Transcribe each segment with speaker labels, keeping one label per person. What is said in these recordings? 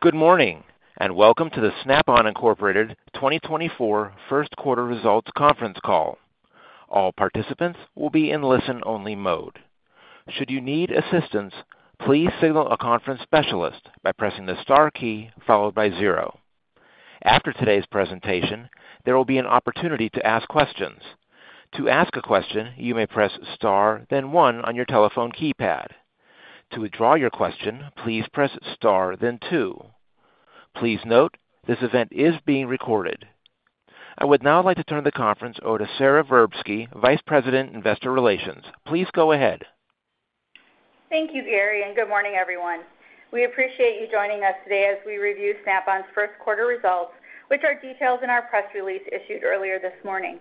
Speaker 1: Good morning and welcome to the Snap-on Incorporated 2024 first quarter results conference call. All participants will be in listen-only mode. Should you need assistance, please signal a conference specialist by pressing the star key followed by zero. After today's presentation, there will be an opportunity to ask questions. To ask a question, you may press star then one on your telephone keypad. To withdraw your question, please press star then two. Please note, this event is being recorded. I would now like to turn the conference over to Sara Verbsky, Vice President Investor Relations. Please go ahead.
Speaker 2: Thank you, Gary, and good morning, everyone. We appreciate you joining us today as we review Snap-on's first quarter results, which are detailed in our press release issued earlier this morning.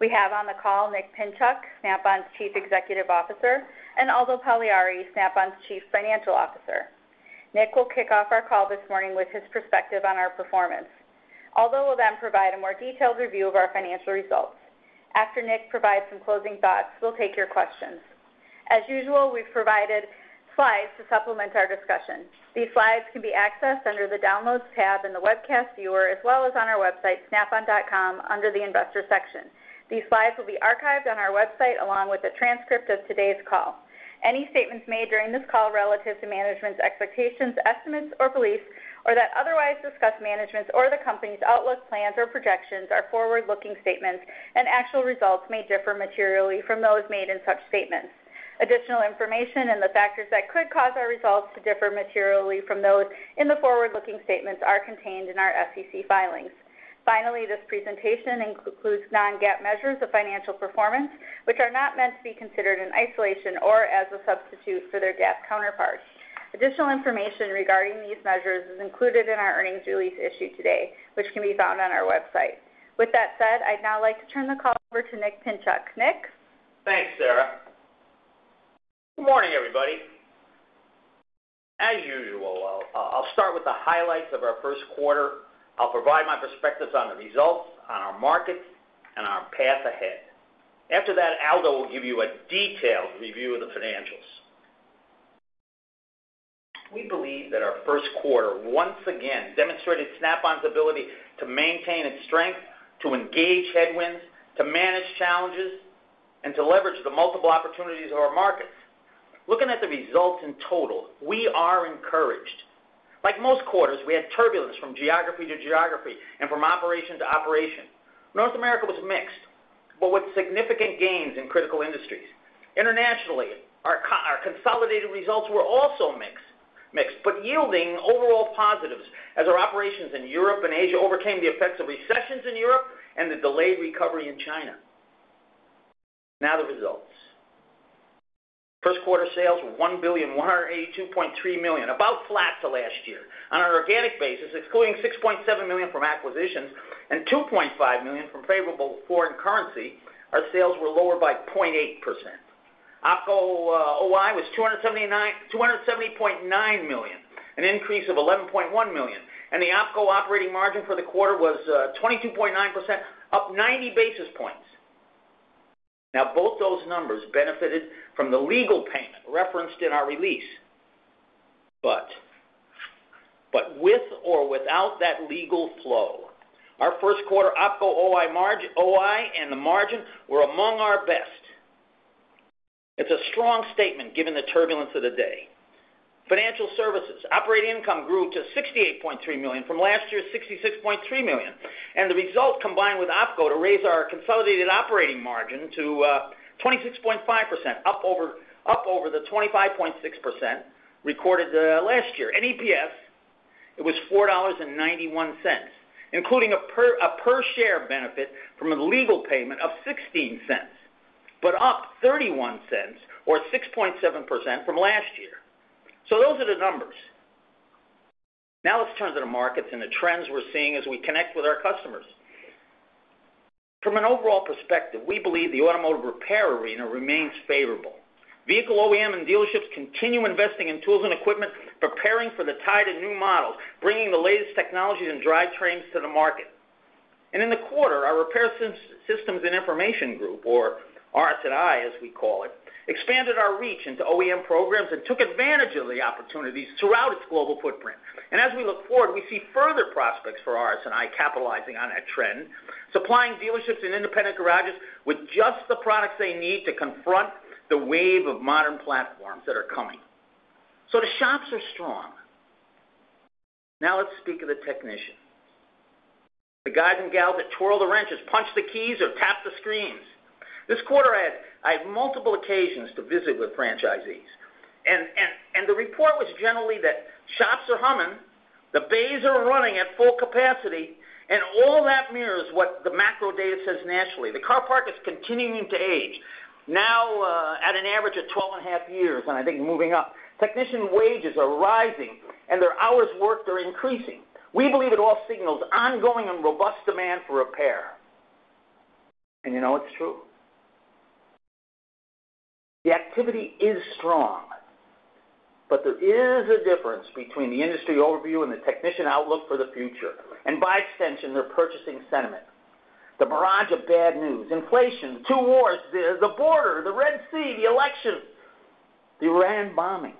Speaker 2: We have on the call Nick Pinchuk, Snap-on's Chief Executive Officer, and Aldo Pagliari, Snap-on's Chief Financial Officer. Nick will kick off our call this morning with his perspective on our performance, Aldo will then provide a more detailed review of our financial results. After Nick provides some closing thoughts, we'll take your questions. As usual, we've provided slides to supplement our discussion. These slides can be accessed under the Downloads tab in the webcast viewer, as well as on our website snap-on.com under the Investor section. These slides will be archived on our website along with a transcript of today's call. Any statements made during this call relative to management's expectations, estimates, or beliefs, or that otherwise discuss management's or the company's outlook, plans, or projections are forward-looking statements, and actual results may differ materially from those made in such statements. Additional information and the factors that could cause our results to differ materially from those in the forward-looking statements are contained in our SEC filings. Finally, this presentation includes non-GAAP measures of financial performance, which are not meant to be considered in isolation or as a substitute for their GAAP counterparts. Additional information regarding these measures is included in our earnings release issued today, which can be found on our website. With that said, I'd now like to turn the call over to Nick Pinchuk. Nick?
Speaker 3: Thanks, Sara. Good morning, everybody. As usual, I'll start with the highlights of our first quarter. I'll provide my perspectives on the results, on our markets, and our path ahead. After that, Aldo will give you a detailed review of the financials. We believe that our first quarter once again demonstrated Snap-on's ability to maintain its strength, to engage headwinds, to manage challenges, and to leverage the multiple opportunities of our markets. Looking at the results in total, we are encouraged. Like most quarters, we had turbulence from geography to geography and from operation to operation. North America was mixed, but with significant gains in critical industries. Internationally, our consolidated results were also mixed, but yielding overall positives as our operations in Europe and Asia overcame the effects of recessions in Europe and the delayed recovery in China. Now the results. First quarter sales were $1.182.3 billion, about flat to last year. On an organic basis, excluding $6.7 million from acquisitions and $2.5 million from favorable foreign currency, our sales were lower by 0.8%. OpCo OI was $270.9 million, an increase of $11.1 million, and the OpCo operating margin for the quarter was 22.9%, up 90 basis points. Now, both those numbers benefited from the legal payment referenced in our release. But with or without that legal flow, our first quarter OpCo OI and the margin were among our best. It's a strong statement given the turbulence of the day. Financial Services operating income grew to $68.3 million from last year's $66.3 million, and the result combined with OpCo to raise our consolidated operating margin to 26.5%, up over the 25.6% recorded last year. EPS, it was $4.91, including a per-share benefit from a legal payment of $0.16, but up $0.31 or 6.7% from last year. Those are the numbers. Now let's turn to the markets and the trends we're seeing as we connect with our customers. From an overall perspective, we believe the automotive repair arena remains favorable. Vehicle OEM and dealerships continue investing in tools and equipment, preparing for the tide of new models, bringing the latest technologies and drivetrains to the market. And in the quarter, our Repair Systems & Information Group, or RS&I as we call it, expanded our reach into OEM programs and took advantage of the opportunities throughout its global footprint. As we look forward, we see further prospects for RS&I capitalizing on that trend, supplying dealerships and independent garages with just the products they need to confront the wave of modern platforms that are coming. The shops are strong. Now let's speak of the technician, the guys and gals that twirl the wrenches, punch the keys, or tap the screens. This quarter, I had multiple occasions to visit with franchisees, and the report was generally that shops are humming, the bays are running at full capacity, and all that mirrors what the macro data says nationally. The car park is continuing to age, now at an average of 12.5 years, and I think moving up. Technician wages are rising, and their hours worked are increasing. We believe it all signals ongoing and robust demand for repair. It's true. The activity is strong, but there is a difference between the industry overview and the technician outlook for the future, and by extension, their purchasing sentiment. The barrage of bad news, inflation, the two wars, the border, the Red Sea, the election, the Iran bombing.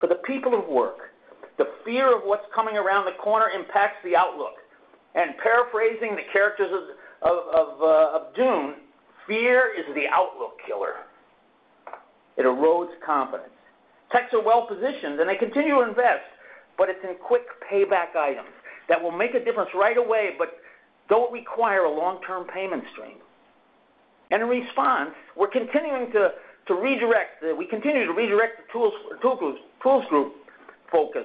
Speaker 3: For the people of work, the fear of what's coming around the corner impacts the outlook. And paraphrasing the characters of Dune, fear is the outlook killer. It erodes confidence. Techs are well-positioned, and they continue to invest, but it's in quick payback items that will make a difference right away but don't require a long-term payment stream. And in response, we're continuing to redirect the Tools Group focus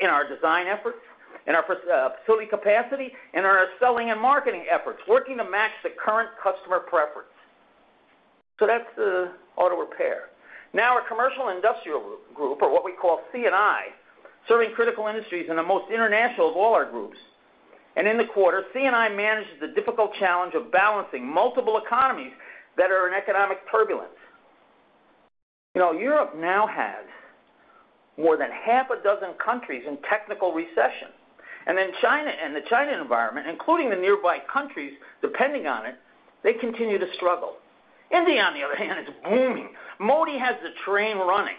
Speaker 3: in our design efforts, in our facility capacity, and in our selling and marketing efforts, working to match the current customer preference. So that's the auto repair. Now our Commercial Industrial Group, or what we call C&I, serving critical industries in the most international of all our groups. And in the quarter, C&I manages the difficult challenge of balancing multiple economies that are in economic turbulence. Europe now has more than half a dozen countries in technical recession. And in the China environment, including the nearby countries depending on it, they continue to struggle. India, on the other hand, is booming. Modi has the train running.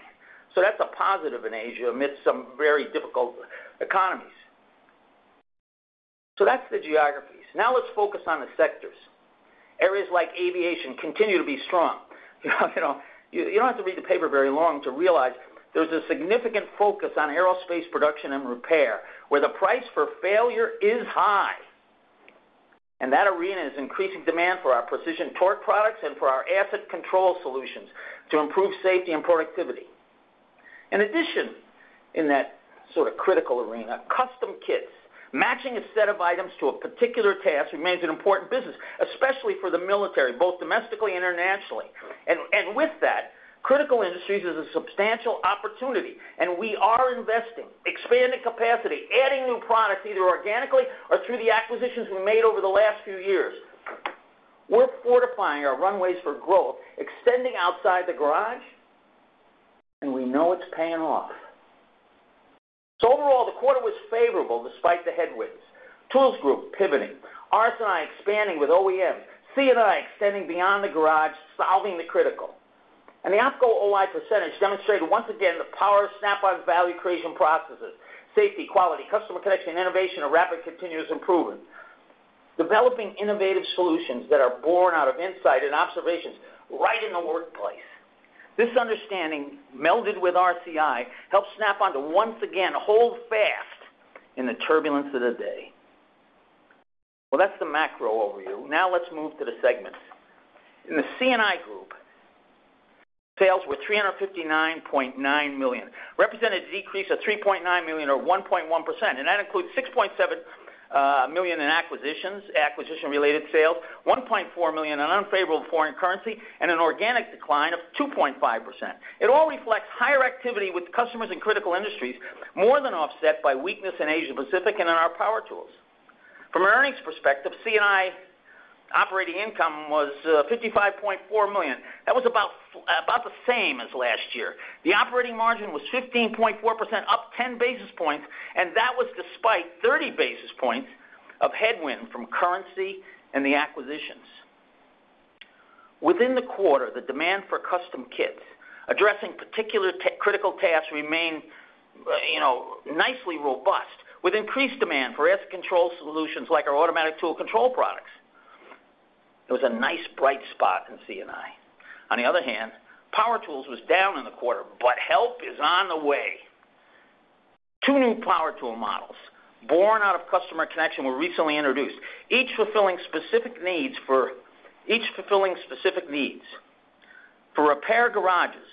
Speaker 3: So that's a positive in Asia amidst some very difficult economies. So that's the geographies. Now let's focus on the sectors. Areas like aviation continue to be strong. You don't have to read the paper very long to realize there's a significant focus on aerospace production and repair, where the price for failure is high. That arena is increasing demand for our precision torque products and for our asset control solutions to improve safety and productivity. In addition, in that sort of critical arena, custom kits, matching a set of items to a particular task remains an important business, especially for the military, both domestically and internationally. With that, critical industries is a substantial opportunity, and we are investing, expanding capacity, adding new products either organically or through the acquisitions we made over the last few years. We're fortifying our runways for growth, extending outside the garage, and we know it's paying off. So overall, the quarter was favorable despite the headwinds. Tools Group pivoting, RS&I expanding with OEMs, C&I extending beyond the garage, solving the critical. The OpCo OI percentage demonstrated once again the power of Snap-on Value Creation processes, safety, quality, customer connection, innovation and rapid continuous improvement, developing innovative solutions that are born out of insight and observations right in the workplace. This understanding, melded with RCI, helps Snap-on to once again hold fast in the turbulence of the day. Well, that's the macro-overview. Now let's move to the segments. In the C&I Group, sales were $359.9 million, represented a decrease of $3.9 million or 1.1%. And that includes $6.7 million in acquisitions, acquisition-related sales, $1.4 million in unfavorable foreign currency, and an organic decline of 2.5%. It all reflects higher activity with customers in critical industries, more than offset by weakness in Asia-Pacific and in our power tools. From an earnings perspective, C&I operating income was $55.4 million. That was about the same as last year. The operating margin was 15.4%, up 10 basis points, and that was despite 30 basis points of headwind from currency and the acquisitions. Within the quarter, the demand for custom kits, addressing particular critical tasks, remained nicely robust with increased demand for asset control solutions like our automatic tool control products. It was a nice bright spot in C&I. On the other hand, power tools was down in the quarter, but help is on the way. Two new power tool models born out of customer connection were recently introduced, each fulfilling specific needs. For repair garages,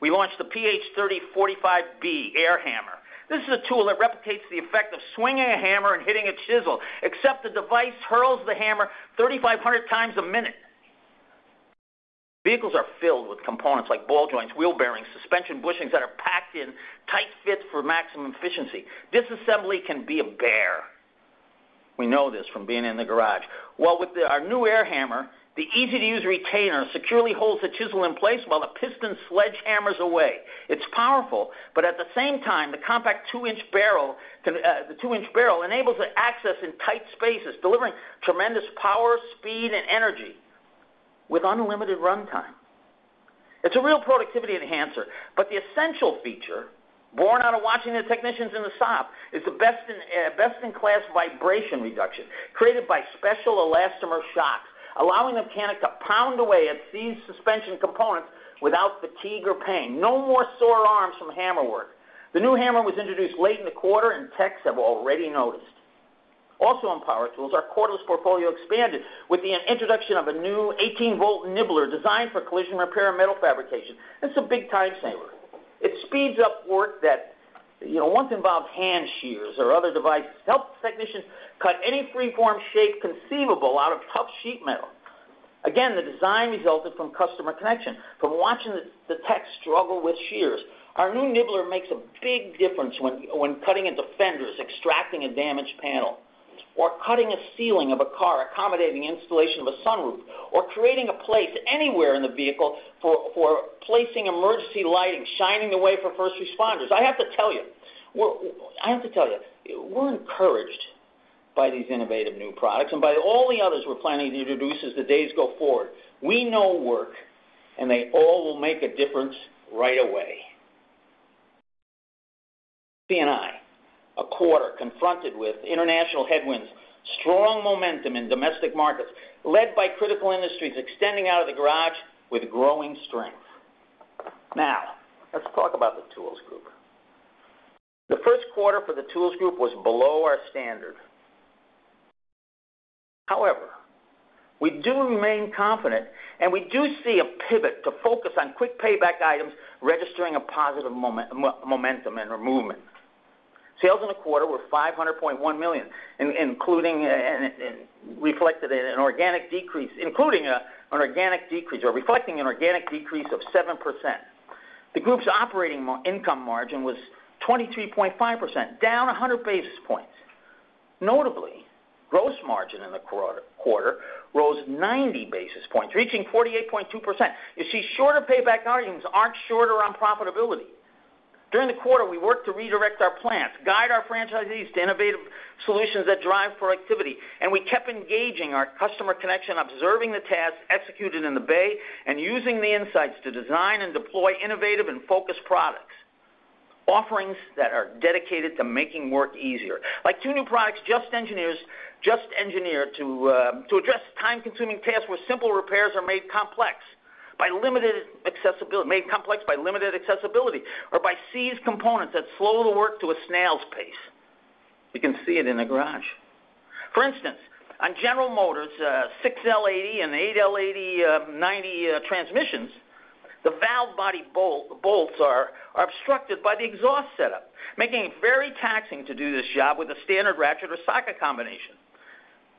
Speaker 3: we launched the PH3045B air hammer. This is a tool that replicates the effect of swinging a hammer and hitting a chisel, except the device hurls the hammer 3,500 times a minute. Vehicles are filled with components like ball joints, wheel bearings, suspension bushings that are packed in, tight fit for maximum efficiency. Disassembly can be a bear. We know this from being in the garage. Well, with our new air hammer, the easy-to-use retainer securely holds the chisel in place while the piston sledgehammers away. It's powerful, but at the same time, the compact 2 in barrel enables access in tight spaces, delivering tremendous power, speed, and energy with unlimited runtime. It's a real productivity enhancer, but the essential feature, born out of watching the technicians in the shop, is the best-in-class vibration reduction created by special elastomer shocks, allowing the mechanic to pound away at these suspension components without fatigue or pain. No more sore arms from hammerwork. The new hammer was introduced late in the quarter, and techs have already noticed. Also in power tools, our quarterly portfolio expanded with the introduction of a new 18 V Nibbler designed for collision repair and metal fabrication. It's a big time-saver. It speeds up work that once involved hand shears or other devices, helps technicians cut any free-form shape conceivable out of tough sheet metal. Again, the design resulted from customer connection, from watching the techs struggle with shears. Our new nibbler makes a big difference when cutting into fenders, extracting a damaged panel, or cutting a ceiling of a car, accommodating installation of a sunroof, or creating a place anywhere in the vehicle for placing emergency lighting, shining the way for first responders. I have to tell you I have to tell you, we're encouraged by these innovative new products and by all the others we're planning to introduce as the days go forward. We know work, and they all will make a difference right away. C&I, a quarter confronted with international headwinds, strong momentum in domestic markets, led by critical industries extending out of the garage with growing strength. Now, let's talk about the Tools Group. The first quarter for the Tools Group was below our standard. However, we do remain confident, and we do see a pivot to focus on quick payback items registering a positive momentum and a movement. Sales in the quarter were $500.1 million, reflecting an organic decrease of 7%. The group's operating income margin was 23.5%, down 100 basis points. Notably, gross margin in the quarter rose 90 basis points, reaching 48.2%. You see, shorter payback arguments aren't shorter on profitability. During the quarter, we worked to redirect our plants, guide our franchisees to innovative solutions that drive productivity, and we kept engaging our customer connection, observing the tasks executed in the bay, and using the insights to design and deploy innovative and focused products, offerings that are dedicated to making work easier. Like two new products just engineered to address time-consuming tasks where simple repairs are made complex by limited accessibility made complex by limited accessibility or by seized components that slow the work to a snail's pace. You can see it in the garage. For instance, on General Motors' 6L80 and 8L90 transmissions, the valve body bolts are obstructed by the exhaust setup, making it very taxing to do this job with a standard ratchet or socket combination.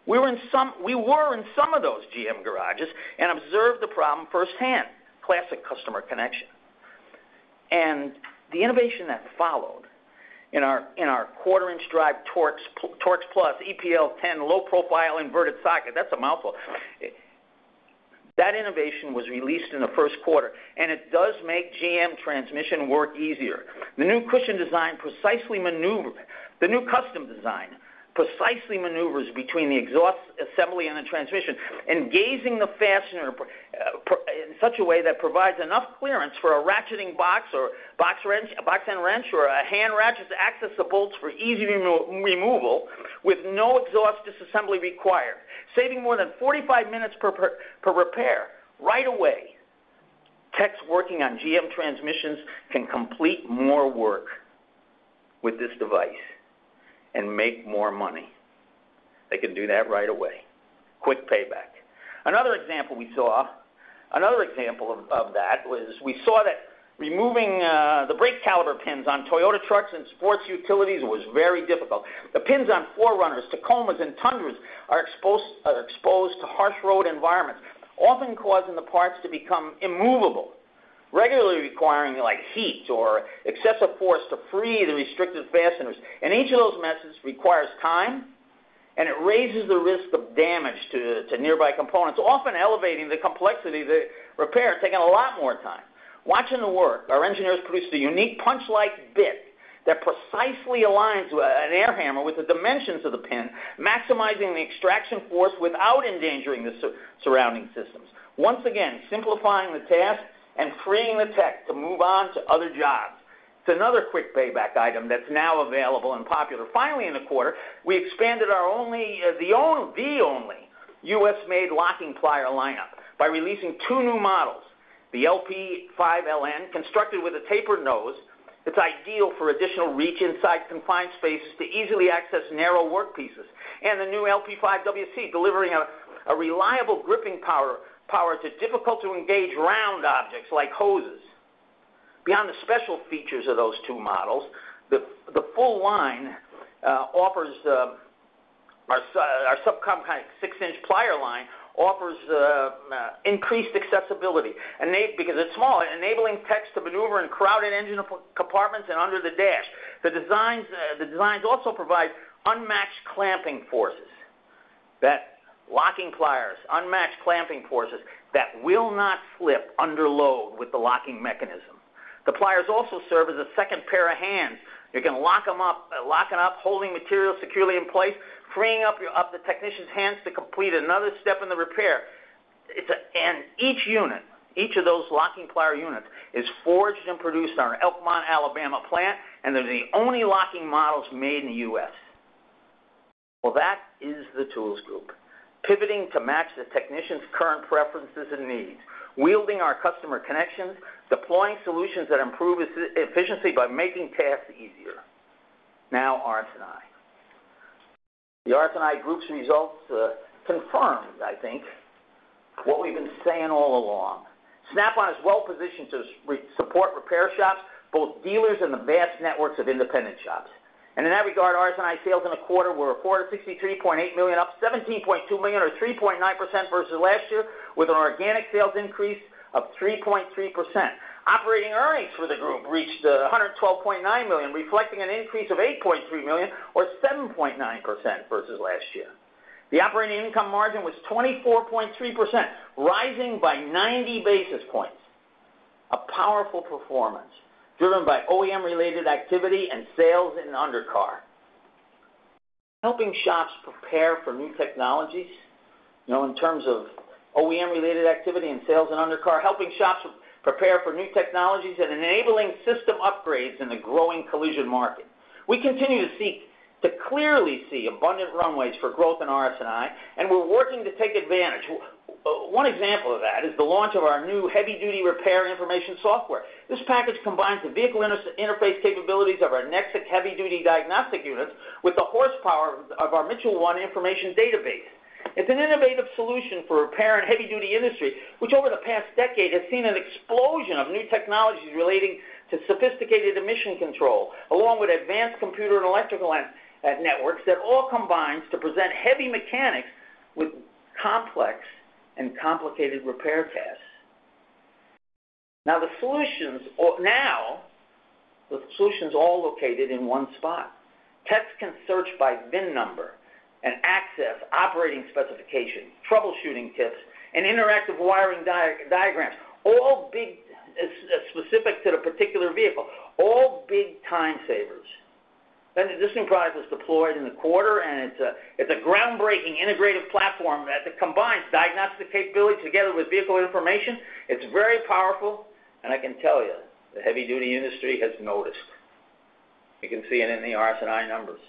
Speaker 3: We were in some of those GM garages and observed the problem firsthand. Classic customer connection. The innovation that followed in our 1/4 in drive TORX Plus EPL10 low-profile inverted socket, that's a mouthful, that innovation was released in the first quarter, and it does make GM transmission work easier. The new custom design precisely maneuvers between the exhaust assembly and the transmission, engaging the fastener in such a way that provides enough clearance for a ratcheting box or box-end wrench or a hand ratchet to access the bolts for easy removal with no exhaust disassembly required, saving more than 45 minutes per repair right away. Techs working on GM transmissions can complete more work with this device and make more money. They can do that right away, quick payback. Another example of that was removing the brake caliper pins on Toyota trucks and sports utilities was very difficult. The pins on 4Runners, Tacomas, and Tundras are exposed to harsh road environments, often causing the parts to become immovable, regularly requiring heat or excessive force to free the restricted fasteners. Each of those methods requires time, and it raises the risk of damage to nearby components, often elevating the complexity of the repair, taking a lot more time. Watching the work, our engineers produced a unique punch-like bit that precisely aligns an air hammer with the dimensions of the pin, maximizing the extraction force without endangering the surrounding systems, once again simplifying the task and freeing the tech to move on to other jobs. It's another quick payback item that's now available and popular. Finally, in the quarter, we expanded our only U.S.-made locking plier lineup by releasing two new models, the LP5LN, constructed with a tapered nose. It's ideal for additional reach inside confined spaces to easily access narrow workpieces, and the new LP5WC, delivering a reliable gripping power to difficult-to-engage round objects like hoses. Beyond the special features of those two models, the full line offers our subcompact 6 in plier line increased accessibility because it's small, enabling techs to maneuver in crowded engine compartments and under the dash. The designs also provide unmatched clamping forces that will not slip under load with the locking mechanism. The pliers also serve as a second pair of hands. You can lock them up, holding material securely in place, freeing up the technician's hands to complete another step in the repair. Each unit, each of those locking plier units, is forged and produced in the Elkmont, Alabama plant, and they're the only locking models made in the U.S. Well, that is the Tools Group, pivoting to match the technician's current preferences and needs, wielding our customer connections, deploying solutions that improve efficiency by making tasks easier. Now, RS&I. The RS&I Group's results confirm, I think, what we've been saying all along. Snap-on is well positioned to support repair shops, both dealers and the vast networks of independent shops. In that regard, RS&I sales in the quarter were $463.8 million, up $17.2 million or 3.9% versus last year, with an organic sales increase of 3.3%. Operating earnings for the group reached $112.9 million, reflecting an increase of $8.3 million or 7.9% versus last year. The operating income margin was 24.3%, rising by 90 basis points, a powerful performance driven by OEM-related activity and sales in undercar, helping shops prepare for new technologies in terms of OEM-related activity and sales in undercar, helping shops prepare for new technologies, and enabling system upgrades in the growing collision market. We continue to seek to clearly see abundant runways for growth in RS&I, and we're working to take advantage. One example of that is the launch of our new heavy-duty repair information software. This package combines the vehicle interface capabilities of our NEXIQ heavy-duty diagnostic units with the horsepower of our Mitchell 1 information database. It's an innovative solution for repair and heavy-duty industry, which over the past decade has seen an explosion of new technologies relating to sophisticated emission control, along with advanced computer and electrical networks that all combine to present heavy mechanics with complex and complicated repair tasks. Now, the solutions all located in one spot. Techs can search by VIN number and access operating specifications, troubleshooting tips, and interactive wiring diagrams, all specific to the particular vehicle, all big time-savers. This new product was deployed in the quarter, and it's a groundbreaking integrative platform that combines diagnostic capability together with vehicle information. It's very powerful, and I can tell you, the heavy-duty industry has noticed. You can see it in the RS&I numbers.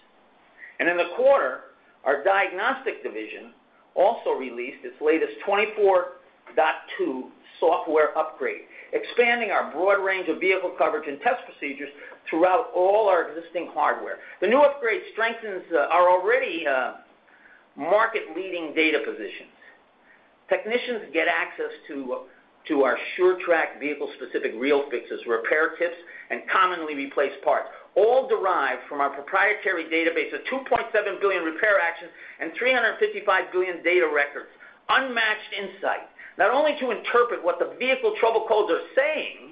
Speaker 3: In the quarter, our diagnostic division also released its latest 24.2 software upgrade, expanding our broad range of vehicle coverage and test procedures throughout all our existing hardware. The new upgrade strengthens our already market-leading data positions. Technicians get access to our SureTrack vehicle-specific real fixes, repair tips, and commonly replaced parts, all derived from our proprietary database of 2.7 billion repair actions and 355 billion data records, unmatched insight, not only to interpret what the vehicle trouble codes are saying,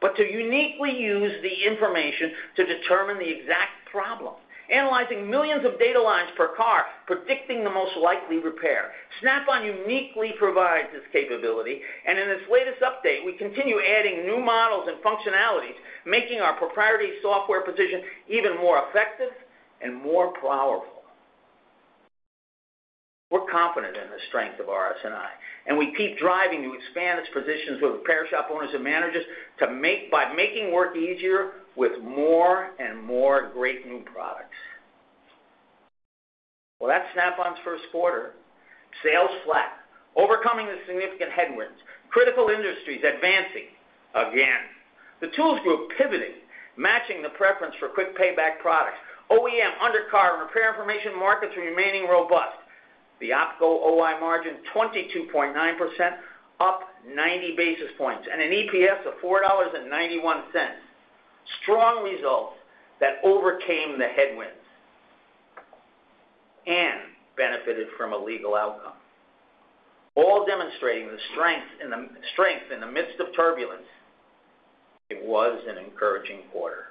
Speaker 3: but to uniquely use the information to determine the exact problem, analyzing millions of data lines per car, predicting the most likely repair. Snap-on uniquely provides this capability, and in its latest update, we continue adding new models and functionalities, making our proprietary software position even more effective and more powerful. We're confident in the strength of RS&I, and we keep driving to expand its positions with repair shop owners and managers by making work easier with more and more great new products. Well, that's Snap-on's first quarter. Sales flat, overcoming the significant headwinds, critical industries advancing again. The Tools Group pivoting, matching the preference for quick payback products. OEM, undercar, and repair information markets are remaining robust. The OpCo OI margin, 22.9%, up 90 basis points, and an EPS of $4.91, strong results that overcame the headwinds and benefited from a legal outcome, all demonstrating the strength in the midst of turbulence. It was an encouraging quarter.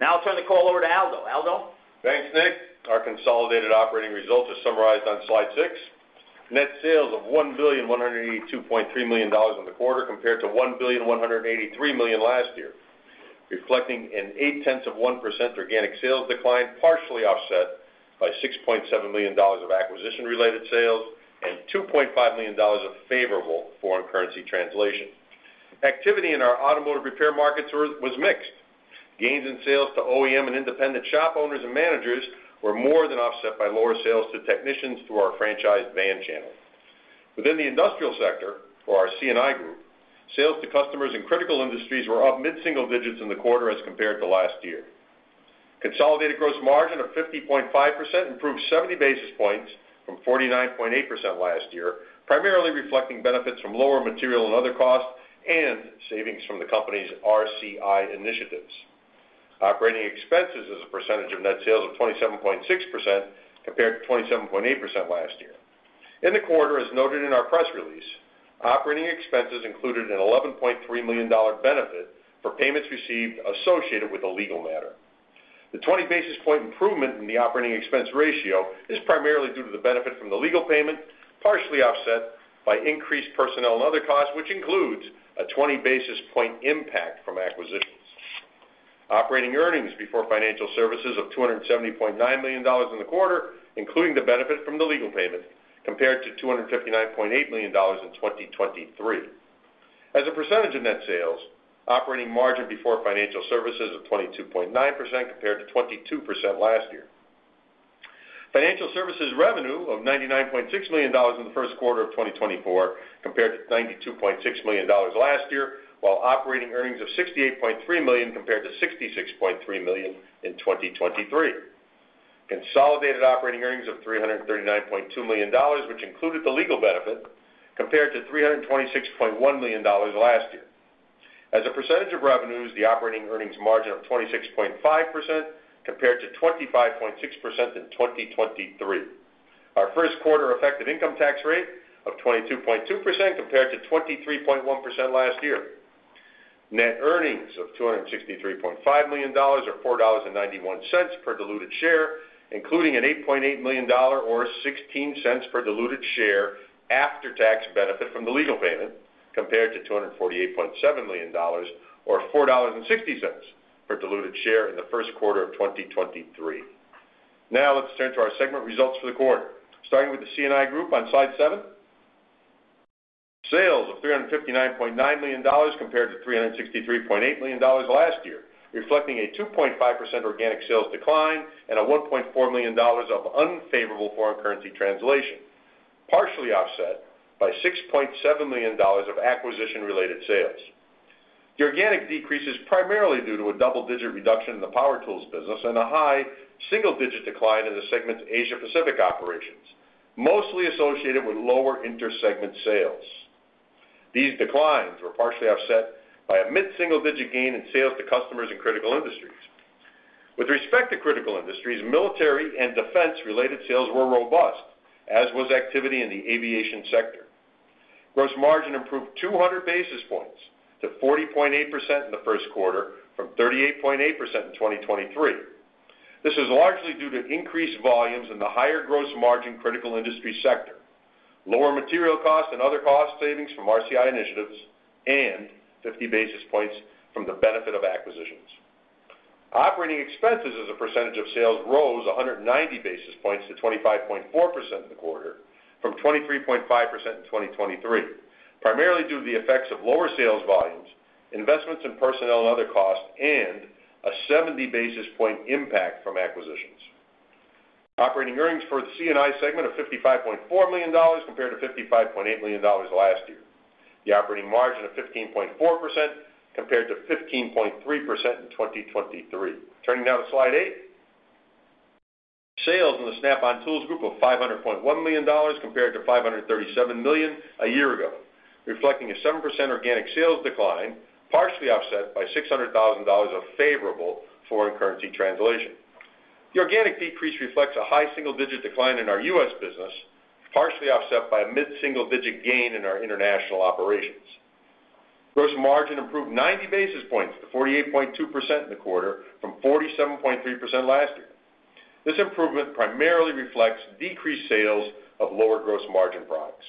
Speaker 3: Now, I'll turn the call over to Aldo. Aldo?
Speaker 4: Thanks, Nick. Our consolidated operating results are summarized on slide six. Net sales of $1.182.3 billion in the quarter compared to $1.183 billion last year, reflecting an 0.8% organic sales decline partially offset by $6.7 million of acquisition-related sales and $2.5 million of favorable foreign currency translation. Activity in our automotive repair markets was mixed. Gains in sales to OEM and independent shop owners and managers were more than offset by lower sales to technicians through our franchised van channel. Within the industrial sector for our C&I Group, sales to customers in critical industries were up mid-single digits in the quarter as compared to last year. Consolidated gross margin of 50.5% improved 70 basis points from 49.8% last year, primarily reflecting benefits from lower material and other costs and savings from the company's RCI initiatives. Operating expenses is a percentage of net sales of 27.6% compared to 27.8% last year. In the quarter, as noted in our press release, operating expenses included an $11.3 million benefit for payments received associated with a legal matter. The 20 basis point improvement in the operating expense ratio is primarily due to the benefit from the legal payment, partially offset by increased personnel and other costs, which includes a 20 basis point impact from acquisitions. Operating earnings before Financial Services of $270.9 million in the quarter, including the benefit from the legal payment, compared to $259.8 million in 2023. As a percentage of net sales, operating margin before Financial Services of 22.9% compared to 22% last year. Financial Services revenue of $99.6 million in the first quarter of 2024 compared to $92.6 million last year, while operating earnings of $68.3 million compared to $66.3 million in 2023. Consolidated operating earnings of $339.2 million, which included the legal benefit, compared to $326.1 million last year. As a percentage of revenues, the operating earnings margin of 26.5% compared to 25.6% in 2023. Our first quarter effective income tax rate of 22.2% compared to 23.1% last year. Net earnings of $263.5 million or $4.91 per diluted share, including an $8.8 million or $0.16 per diluted share after-tax benefit from the legal payment, compared to $248.7 million or $4.60 per diluted share in the first quarter of 2023. Now, let's turn to our segment results for the quarter, starting with the C&I Group on slide seven. Sales of $359.9 million compared to $363.8 million last year, reflecting a 2.5% organic sales decline and a $1.4 million of unfavorable foreign currency translation, partially offset by $6.7 million of acquisition-related sales. The organic decrease is primarily due to a double-digit reduction in the power tools business and a high single-digit decline in the segment's Asia-Pacific operations, mostly associated with lower intersegment sales. These declines were partially offset by a mid-single-digit gain in sales to customers in critical industries. With respect to critical industries, military and defense-related sales were robust, as was activity in the aviation sector. Gross margin improved 200 basis points to 40.8% in the first quarter from 38.8% in 2023. This is largely due to increased volumes in the higher gross margin critical industry sector, lower material costs and other cost savings from RCI initiatives, and 50 basis points from the benefit of acquisitions. Operating expenses, as a percentage of sales, rose 190 basis points to 25.4% in the quarter from 23.5% in 2023, primarily due to the effects of lower sales volumes, investments in personnel and other costs, and a 70 basis point impact from acquisitions. Operating earnings for the C&I segment of $55.4 million compared to $55.8 million last year, the operating margin of 15.4% compared to 15.3% in 2023. Turning now to slide eight. Sales in the Snap-on Tools Group of $500.1 million compared to $537 million a year ago, reflecting a 7% organic sales decline, partially offset by $600,000 of favorable foreign currency translation. The organic decrease reflects a high single-digit decline in our U.S. business, partially offset by a mid-single-digit gain in our international operations. Gross margin improved 90 basis points to 48.2% in the quarter from 47.3% last year. This improvement primarily reflects decreased sales of lower gross margin products.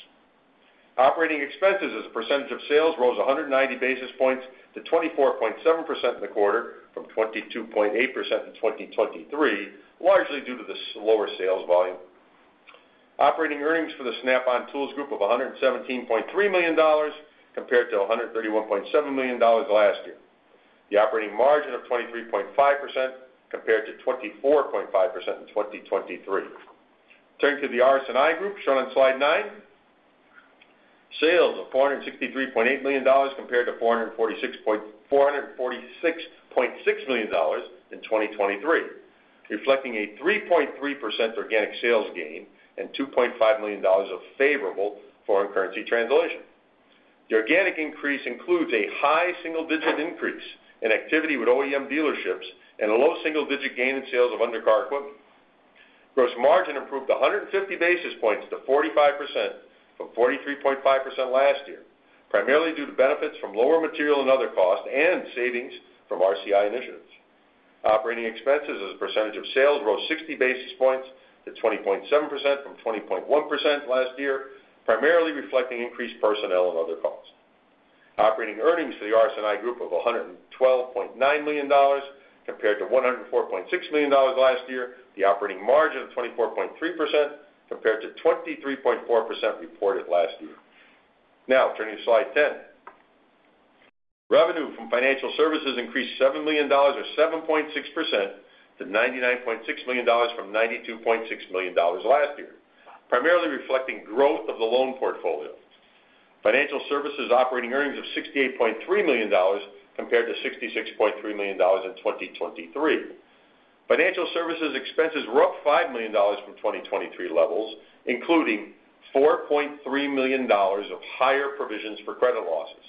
Speaker 4: Operating expenses, as a percentage of sales, rose 190 basis points to 24.7% in the quarter from 22.8% in 2023, largely due to the lower sales volume. Operating earnings for the Snap-on Tools Group of $117.3 million compared to $131.7 million last year, the operating margin of 23.5% compared to 24.5% in 2023. Turning to the RS&I Group shown on slide nine. Sales of $463.8 million compared to $446.6 million in 2023, reflecting a 3.3% organic sales gain and $2.5 million of favorable foreign currency translation. The organic increase includes a high single-digit increase in activity with OEM dealerships and a low single-digit gain in sales of undercar equipment. Gross margin improved 150 basis points to 45% from 43.5% last year, primarily due to benefits from lower material and other costs and savings from RCI initiatives. Operating expenses, as a percentage of sales, rose 60 basis points to 20.7% from 20.1% last year, primarily reflecting increased personnel and other costs. Operating earnings for the RS&I Group of $112.9 million compared to $104.6 million last year, the operating margin of 24.3% compared to 23.4% reported last year. Now, turning to slide 10. Revenue from Financial Services increased $7 million or 7.6% to $99.6 million from $92.6 million last year, primarily reflecting growth of the loan portfolio. Financial Services operating earnings of $68.3 million compared to $66.3 million in 2023. Financial Services expenses were up $5 million from 2023 levels, including $4.3 million of higher provisions for credit losses.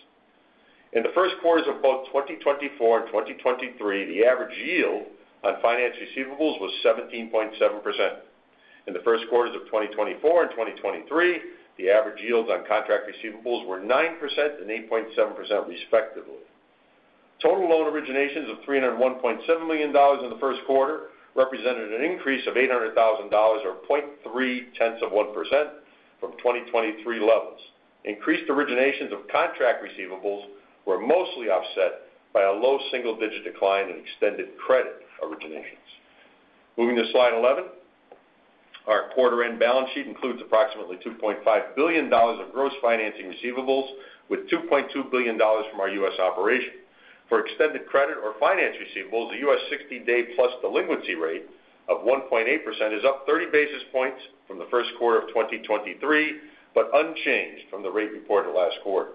Speaker 4: In the first quarters of both 2024 and 2023, the average yield on finance receivables was 17.7%. In the first quarters of 2024 and 2023, the average yields on contract receivables were 9% and 8.7% respectively. Total loan originations of $301.7 million in the first quarter represented an increase of $800,000 or 0.3% from 2023 levels. Increased originations of contract receivables were mostly offset by a low single-digit decline in extended credit originations. Moving to slide 11. Our quarter-end balance sheet includes approximately $2.5 billion of gross financing receivables with $2.2 billion from our U.S. operation. For extended credit or finance receivables, the U.S. 60 day+ delinquency rate of 1.8% is up 30 basis points from the first quarter of 2023, but unchanged from the rate reported last quarter.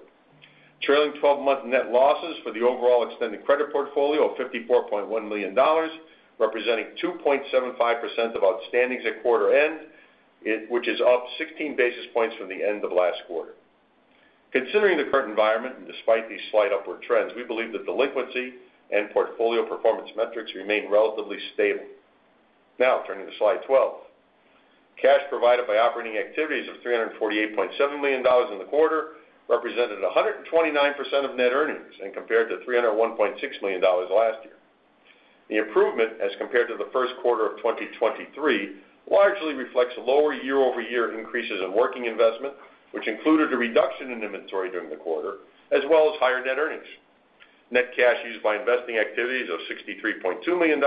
Speaker 4: Trailing 12-month net losses for the overall extended credit portfolio of $54.1 million, representing 2.75% of outstandings at quarter-end, which is up 16 basis points from the end of last quarter. Considering the current environment and despite these slight upward trends, we believe that delinquency and portfolio performance metrics remain relatively stable. Now, turning to slide 12. Cash provided by operating activities of $348.7 million in the quarter represented 129% of net earnings and compared to $301.6 million last year. The improvement as compared to the first quarter of 2023 largely reflects lower year-over-year increases in working investment, which included a reduction in inventory during the quarter, as well as higher net earnings. Net cash used by investing activities of $63.2 million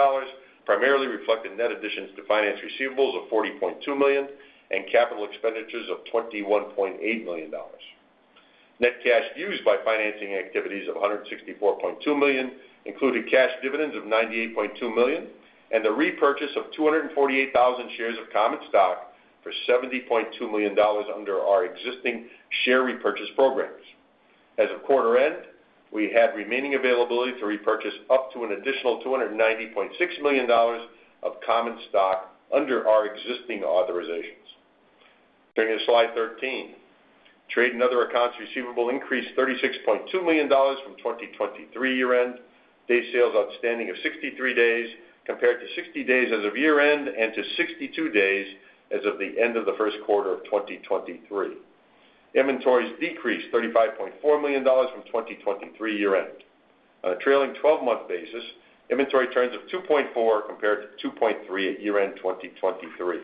Speaker 4: primarily reflected net additions to finance receivables of $40.2 million and capital expenditures of $21.8 million. Net cash used by financing activities of $164.2 million included cash dividends of $98.2 million and the repurchase of 248,000 shares of common stock for $70.2 million under our existing share repurchase programs. As of quarter-end, we had remaining availability to repurchase up to an additional $290.6 million of common stock under our existing authorizations. Turning to slide 13. Trade and other accounts receivable increased $36.2 million from 2023 year-end. Day sales outstanding of 63 days compared to 60 days as of year-end and to 62 days as of the end of the first quarter of 2023. Inventories decreased $35.4 million from 2023 year-end. On a trailing 12-month basis, inventory turns of 2.4 compared to 2.3 at year-end 2023.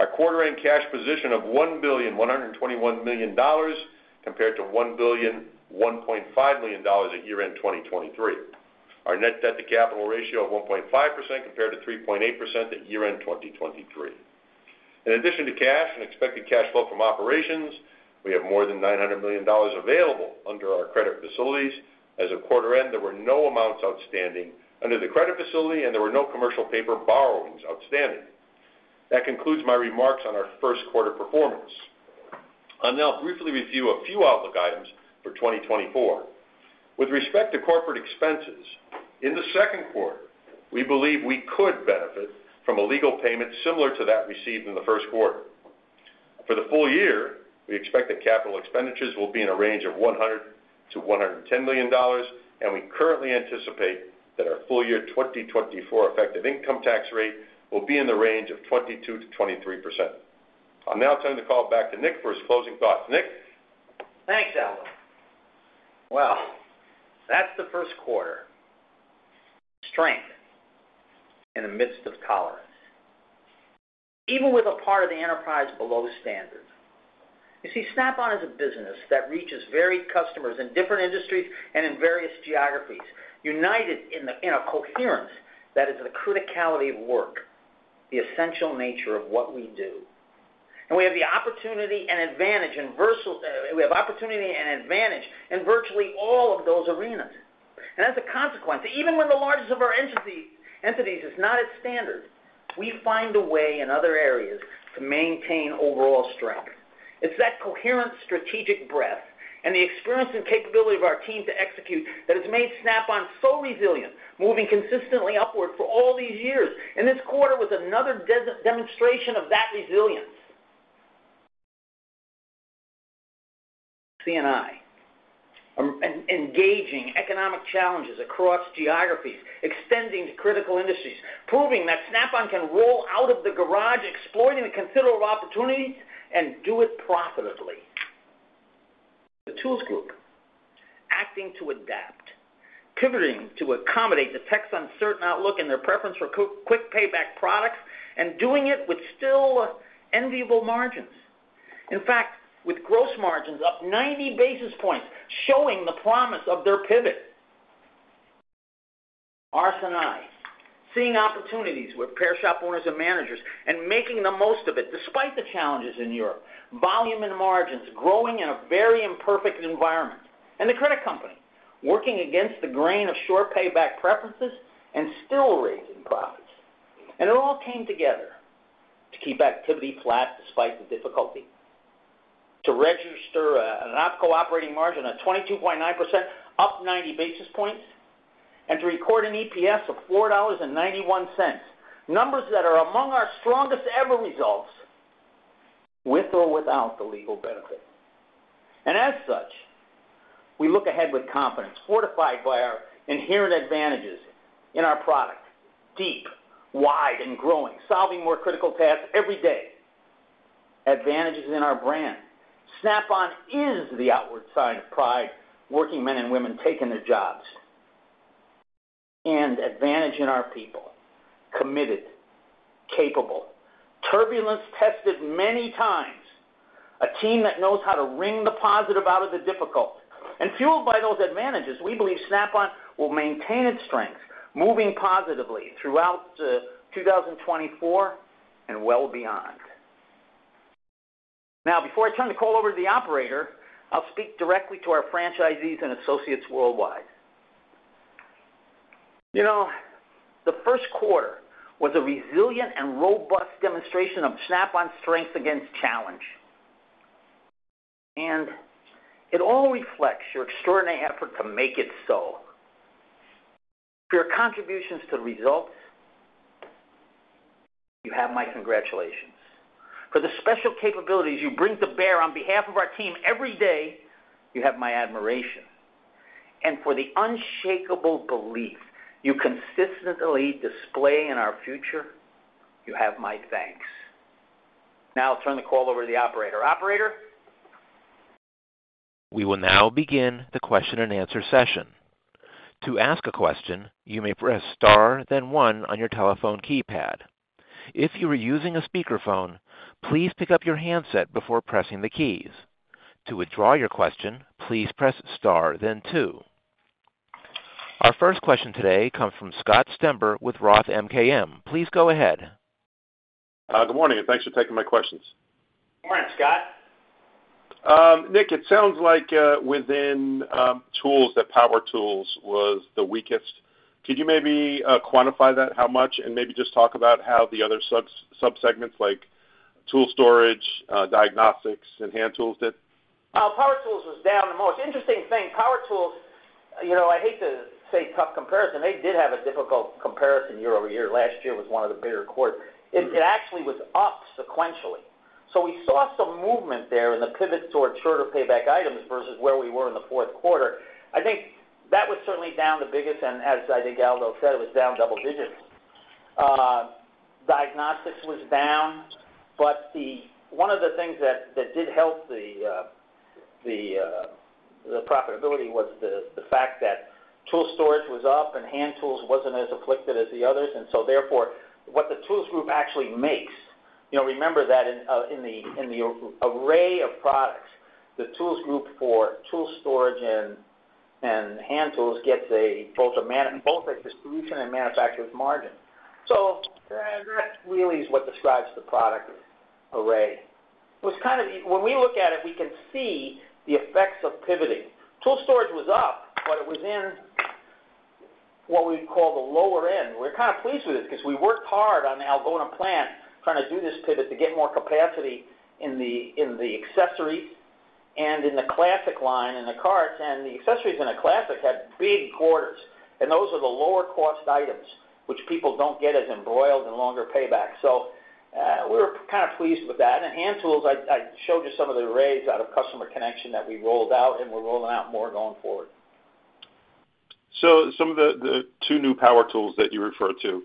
Speaker 4: Our quarter-end cash position of $1.121 billion compared to $1.0015 billion at year-end 2023. Our net debt to capital ratio of 1.5% compared to 3.8% at year-end 2023. In addition to cash and expected cash flow from operations, we have more than $900 million available under our credit facilities. As of quarter-end, there were no amounts outstanding under the credit facility, and there were no commercial paper borrowings outstanding. That concludes my remarks on our first quarter performance. I'll now briefly review a few outlook items for 2024. With respect to corporate expenses, in the second quarter, we believe we could benefit from a legal payment similar to that received in the first quarter. For the full year, we expect that capital expenditures will be in a range of $100 million-$110 million, and we currently anticipate that our full year 2024 effective income tax rate will be in the range of 22%-23%. I'll now turn the call back to Nick for his closing thoughts. Nick.
Speaker 3: Thanks, Aldo. Well, that's the first quarter. Strength in the midst of tolerance, even with a part of the enterprise below standard. You see, Snap-on is a business that reaches varied customers in different industries and in various geographies, united in a coherence that is the criticality of work, the essential nature of what we do. And we have the opportunity and advantage in virtually all of those arenas. And as a consequence, even when the largest of our entities is not at standard, we find a way in other areas to maintain overall strength. It's that coherent strategic breadth and the experience and capability of our team to execute that has made Snap-on so resilient, moving consistently upward for all these years. And this quarter was another demonstration of that resilience. C&I, engaging economic challenges across geographies, extending to critical industries, proving that Snap-on can roll out of the garage, exploiting the considerable opportunities, and do it profitably. The Tools Group, acting to adapt, pivoting to accommodate the tech's uncertain outlook and their preference for quick payback products, and doing it with still enviable margins. In fact, with gross margins up 90 basis points, showing the promise of their pivot. RS&I, seeing opportunities with repair shop owners and managers and making the most of it despite the challenges in Europe, volume and margins growing in a very imperfect environment, and the credit company, working against the grain of short payback preferences and still raising profits. And it all came together to keep activity flat despite the difficulty, to register an overall operating margin of 22.9% up 90 basis points, and to record an EPS of $4.91, numbers that are among our strongest ever results with or without the legal benefit. And as such, we look ahead with confidence, fortified by our inherent advantages in our product, deep, wide, and growing, solving more critical tasks every day. Advantages in our brand. Snap-on is the outward sign of pride, working men and women taking their jobs. An advantage in our people, committed, capable, turbulence-tested many times, a team that knows how to wring the positive out of the difficult. Fueled by those advantages, we believe Snap-on will maintain its strengths, moving positively throughout 2024 and well beyond. Now, before I turn the call over to the operator, I'll speak directly to our franchisees and associates worldwide. The first quarter was a resilient and robust demonstration of Snap-on's strengths against challenge. It all reflects your extraordinary effort to make it so. For your contributions to the results, you have my congratulations. For the special capabilities you bring to bear on behalf of our team every day, you have my admiration. And for the unshakable belief you consistently display in our future, you have my thanks. Now, I'll turn the call over to the operator. Operator.
Speaker 1: We will now begin the question-and-answer session. To ask a question, you may press star then one on your telephone keypad. If you are using a speakerphone, please pick up your handset before pressing the keys. To withdraw your question, please press star then two. Our first question today comes from Scott Stember with Roth MKM. Please go ahead.
Speaker 5: Good morning. Thanks for taking my questions.
Speaker 3: Morning, Scott.
Speaker 5: Nick, it sounds like within Tools that Power Tools was the weakest. Could you maybe quantify that, how much, and maybe just talk about how the other subsegments like tool storage, diagnostics, and hand tools did?
Speaker 3: Power Tools was down the most. Interesting thing, Power Tools—I hate to say—tough comparison. They did have a difficult comparison year-over-year. Last year was one of the bigger quarters. It actually was up sequentially. So we saw some movement there in the pivot toward shorter payback items versus where we were in the fourth quarter. I think that was certainly down the biggest, and as I think Aldo said, it was down double digits. Diagnostics was down, but one of the things that did help the profitability was the fact that tool storage was up and hand tools wasn't as afflicted as the others. And so, therefore, what the Tools Group actually makes, remember that in the array of products, the Tools Group for tool storage and hand tools gets both a distribution and manufacturer's margin. So that really is what describes the product array. When we look at it, we can see the effects of pivoting. Tool storage was up, but it was in what we would call the lower end. We're kind of pleased with it because we worked hard on Algona plant trying to do this pivot to get more capacity in the accessories and in the classic line in the carts. And the accessories in the classic had big quarters. And those are the lower-cost items, which people don't get as embroiled in longer payback. So we were kind of pleased with that. And hand tools, I showed you some of the arrays out of customer connection that we rolled out, and we're rolling out more going forward.
Speaker 5: Some of the two new power tools that you referred to,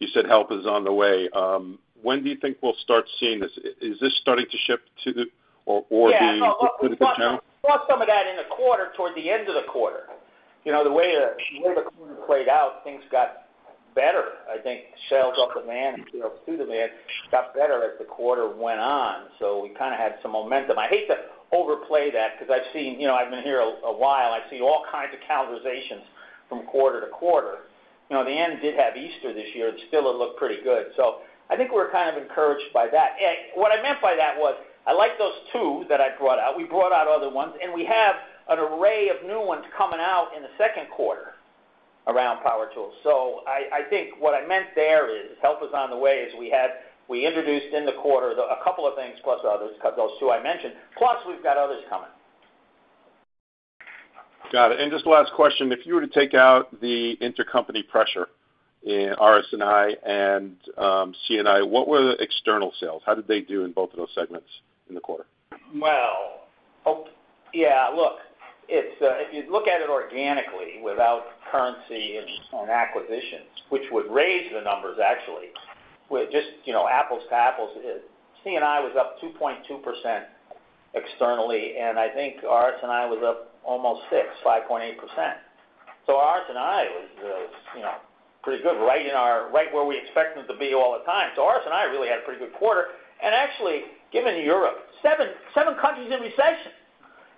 Speaker 5: you said help is on the way. When do you think we'll start seeing this? Is this starting to shift or the critical channel?
Speaker 3: Yeah. We saw some of that in the quarter toward the end of the quarter. The way the quarter played out, things got better. I think sales off the van and sales to the van got better as the quarter went on. So we kind of had some momentum. I hate to overplay that because I've seen. I've been here a while. I've seen all kinds of calendarizations from quarter to quarter. The end did have Easter this year, and still, it looked pretty good. So I think we're kind of encouraged by that. What I meant by that was I like those two that I brought out. We brought out other ones, and we have an array of new ones coming out in the second quarter around Power Tools. So, I think what I meant there is help is on the way as we introduced in the quarter a couple of things plus others, those two I mentioned, plus we've got others coming.
Speaker 5: Got it. Just last question. If you were to take out the intercompany pressure in RS&I and C&I, what were the external sales? How did they do in both of those segments in the quarter?
Speaker 3: Well, yeah. Look, if you look at it organically without currency and acquisitions, which would raise the numbers, actually, just apples to apples, C&I was up 2.2% externally, and I think RS&I was up almost 6%, 5.8%. So RS&I was pretty good, right where we expected it to be all the time. So RS&I really had a pretty good quarter. And actually, given Europe, seven countries in recession.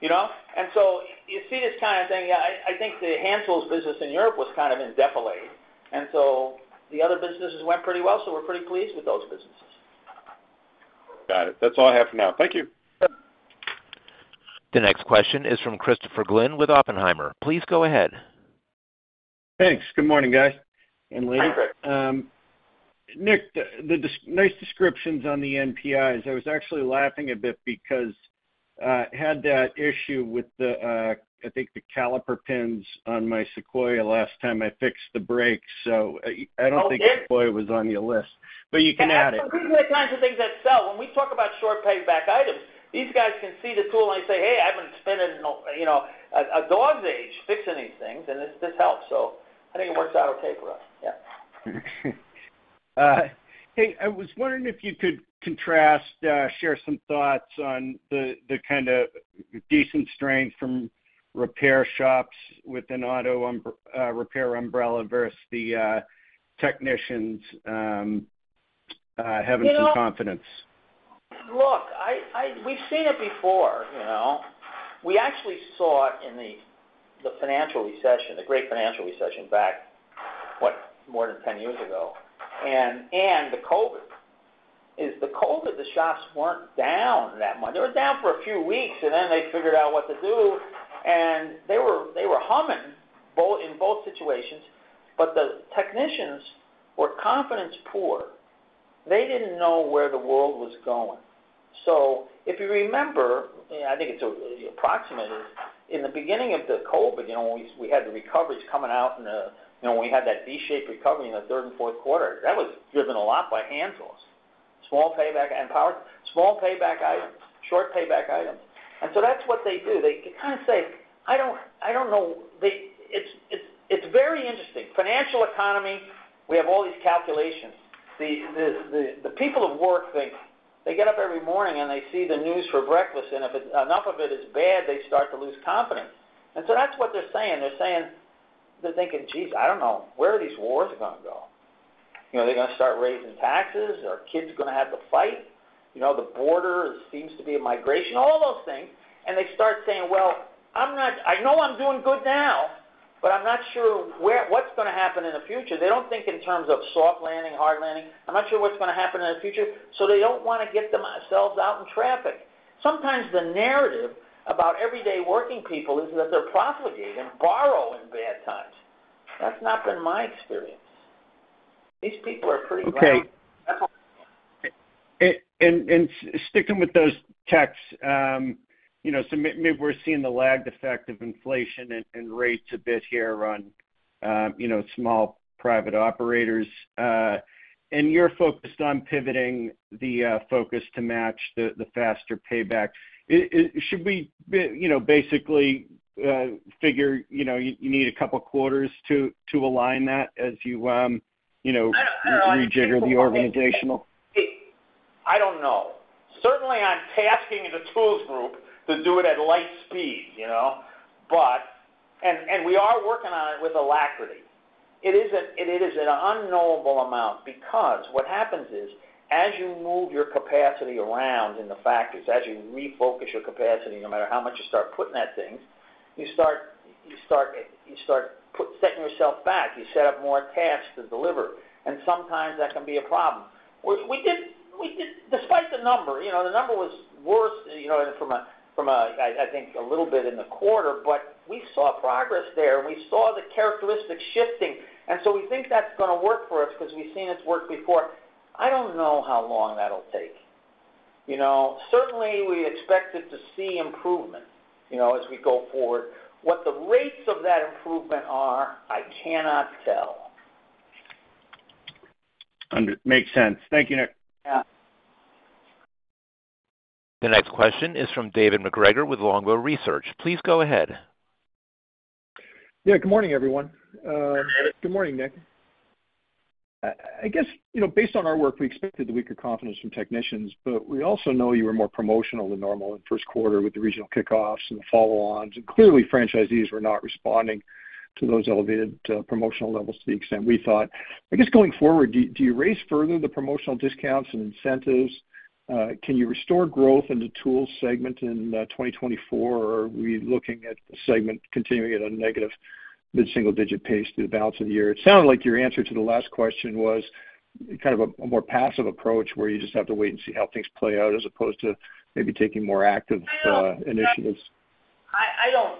Speaker 3: And so you see this kind of thing. Yeah, I think the hand tools business in Europe was kind of inept. And so the other businesses went pretty well, so we're pretty pleased with those businesses.
Speaker 5: Got it. That's all I have for now. Thank you.
Speaker 1: The next question is from Christopher Glynn with Oppenheimer. Please go ahead.
Speaker 6: Thanks. Good morning, guys and ladies. Nick, the nice descriptions on the NPIs. I was actually laughing a bit because I had that issue with, I think, the caliper pins on my Sequoia last time I fixed the brakes. So I don't think Sequoia was on your list, but you can add it.
Speaker 3: Yeah. These are the kinds of things that sell. When we talk about short payback items, these guys can see the tool, and they say, "Hey, I haven't spent a dog's age fixing these things, and this helps." So I think it works out okay for us. Yeah.
Speaker 6: Hey, I was wondering if you could share some thoughts on the kind of decent strength from repair shops with an auto repair umbrella versus the technicians having some confidence?
Speaker 3: Look, we've seen it before. We actually saw it in the financial recession, the great financial recession back more than 10 years ago, and the COVID. The COVID, the shops weren't down that much. They were down for a few weeks, and then they figured out what to do. And they were humming in both situations, but the technicians were confidence-poor. They didn't know where the world was going. So if you remember, I think it's approximate, is in the beginning of the COVID, we had the recoveries coming out, and we had that V-shaped recovery in the third and fourth quarter. That was driven a lot by hand tools, small payback and small payback items, short payback items. And so that's what they do. They kind of say, "I don't know." It's very interesting. Financial economy, we have all these calculations. The people of work think they get up every morning, and they see the news for breakfast, and if enough of it is bad, they start to lose confidence. So that's what they're saying. They're thinking, "Jeez, I don't know. Where are these wars going to go? Are they going to start raising taxes? Are kids going to have to fight? The border seems to be a migration," all those things. They start saying, "Well, I know I'm doing good now, but I'm not sure what's going to happen in the future." They don't think in terms of soft landing, hard landing. "I'm not sure what's going to happen in the future." So they don't want to get themselves out in traffic. Sometimes the narrative about everyday working people is that they're profiteering and borrowing bad times. That's not been my experience. These people are pretty glad.
Speaker 6: Okay. Sticking with those techs, so maybe we're seeing the lagged effect of inflation and rates a bit here on small private operators. You're focused on pivoting the focus to match the faster payback. Should we basically figure you need a couple of quarters to align that as you rejigger the organizational?
Speaker 3: I don't know. Certainly, I'm tasking the Tools Group to do it at light speed, but and we are working on it with alacrity. It is an unknowable amount because what happens is as you move your capacity around in the factories, as you refocus your capacity, no matter how much you start putting at things, you start setting yourself back. You set up more tasks to deliver. And sometimes that can be a problem. Despite the number, the number was worse from a, I think, a little bit in the quarter, but we saw progress there, and we saw the characteristics shifting. And so we think that's going to work for us because we've seen it work before. I don't know how long that'll take. Certainly, we expect it to see improvement as we go forward. What the rates of that improvement are, I cannot tell.
Speaker 6: Makes sense. Thank you, Nick.
Speaker 1: The next question is from David MacGregor with Longbow Research. Please go ahead.
Speaker 7: Yeah. Good morning, everyone. Good morning, Nick. I guess based on our work, we expected the weaker confidence from technicians, but we also know you were more promotional than normal in the first quarter with the regional kickoffs and the follow-ons. And clearly, franchisees were not responding to those elevated promotional levels to the extent we thought. I guess going forward, do you raise further the promotional discounts and incentives? Can you restore growth in the tools segment in 2024, or are we looking at the segment continuing at a negative mid-single-digit pace through the balance of the year? It sounded like your answer to the last question was kind of a more passive approach where you just have to wait and see how things play out as opposed to maybe taking more active initiatives.
Speaker 3: I don't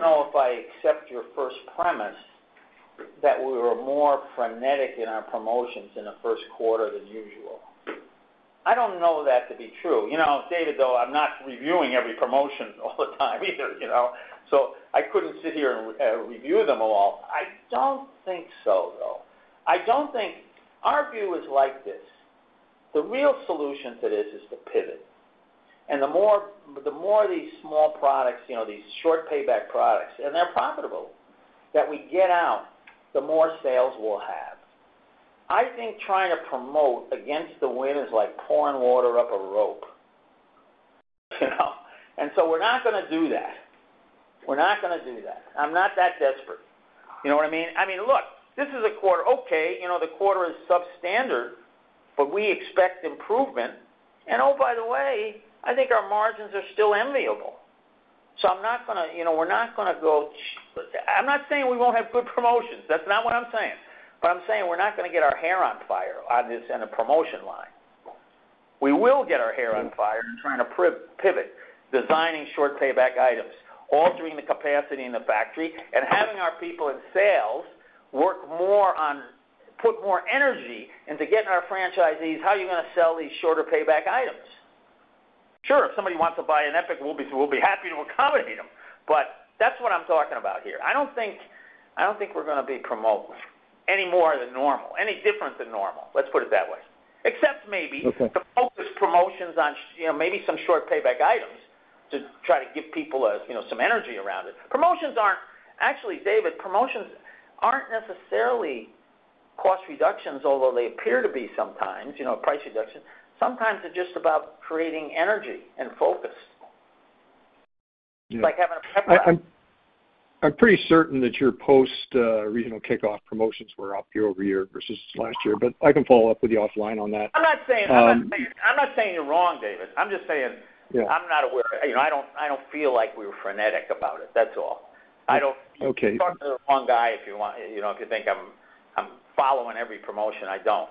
Speaker 3: know if I accept your first premise that we were more frenetic in our promotions in the first quarter than usual. I don't know that to be true. David, though, I'm not reviewing every promotion all the time either, so I couldn't sit here and review them all. I don't think so, though. Our view is like this. The real solution to this is to pivot. And the more these small products, these short payback products, and they're profitable, that we get out, the more sales we'll have. I think trying to promote against the wind is like pouring water up a rope. And so we're not going to do that. We're not going to do that. I'm not that desperate. You know what I mean? I mean, look, this is a quarter, okay. The quarter is substandard, but we expect improvement. Oh, by the way, I think our margins are still enviable. So I'm not saying we won't have good promotions. That's not what I'm saying. But I'm saying we're not going to get our hair on fire on this and the promotion line. We will get our hair on fire in trying to pivot, designing short payback items, altering the capacity in the factory, and having our people in sales work more on putting more energy into getting our franchisees, "How are you going to sell these shorter payback items?" Sure, if somebody wants to buy an EPIQ, we'll be happy to accommodate them. But that's what I'm talking about here. I don't think we're going to be promoted any more than normal, any different than normal. Let's put it that way, except maybe to focus promotions on maybe some short payback items to try to give people some energy around it. Actually, David, promotions aren't necessarily cost reductions, although they appear to be sometimes price reductions. Sometimes it's just about creating energy and focus, like having a pep up.
Speaker 7: I'm pretty certain that your post-regional kickoff promotions were up year-over-year versus last year, but I can follow up with you offline on that.
Speaker 3: I'm not saying you're wrong, David. I'm just saying I'm not aware. I don't feel like we were frenetic about it. That's all. You can talk to the wrong guy if you think I'm following every promotion. I don't.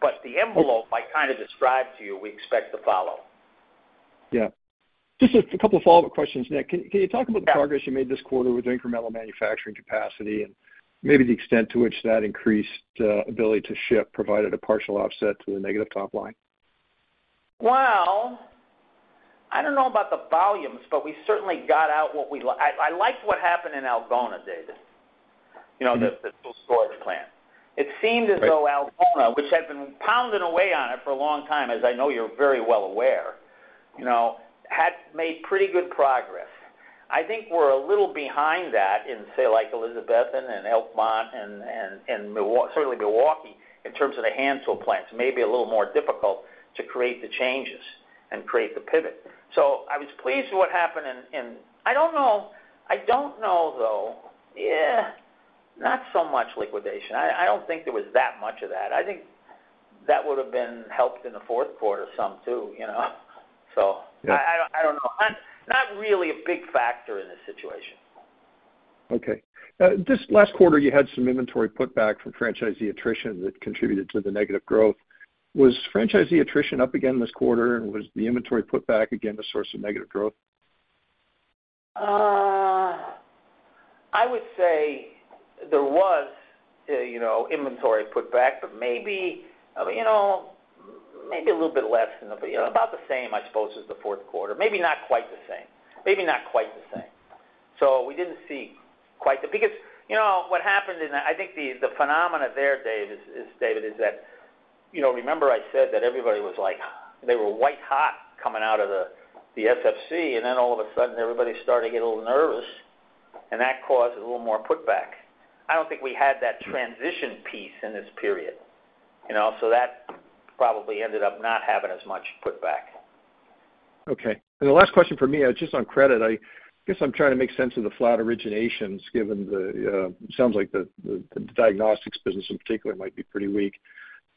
Speaker 3: But the envelope, I kind of described to you, we expect to follow.
Speaker 7: Yeah. Just a couple of follow-up questions, Nick. Can you talk about the progress you made this quarter with the incremental manufacturing capacity and maybe the extent to which that increased ability to ship provided a partial offset to the negative top line?
Speaker 3: Well, I don't know about the volumes, but we certainly got out what I liked what happened in Algona, David, the tool storage plant. It seemed as though Algona, which had been pounding away on it for a long time, as I know you're very well aware, had made pretty good progress. I think we're a little behind that in, say, Elizabethton and Elkmont and certainly Milwaukee in terms of the hand tool plants. Maybe a little more difficult to create the changes and create the pivot. So I was pleased with what happened in. I don't know. I don't know, though. Yeah, not so much liquidation. I don't think there was that much of that. I think that would have been helped in the fourth quarter some too. So I don't know. Not really a big factor in this situation.
Speaker 7: Okay. This last quarter, you had some inventory putback from franchisee attrition that contributed to the negative growth. Was franchisee attrition up again this quarter, and was the inventory putback again a source of negative growth?
Speaker 3: I would say there was inventory putback, but maybe a little bit less than about the same, I suppose, as the fourth quarter. Maybe not quite the same. Maybe not quite the same. So we didn't see quite the because what happened in that I think the phenomena there, David, is that remember I said that everybody was like they were white-hot coming out of the SFC, and then all of a sudden, everybody started to get a little nervous, and that caused a little more putback. I don't think we had that transition piece in this period. So that probably ended up not having as much putback.
Speaker 7: Okay. And the last question for me, just on credit, I guess I'm trying to make sense of the flat originations given that it sounds like the diagnostics business in particular might be pretty weak.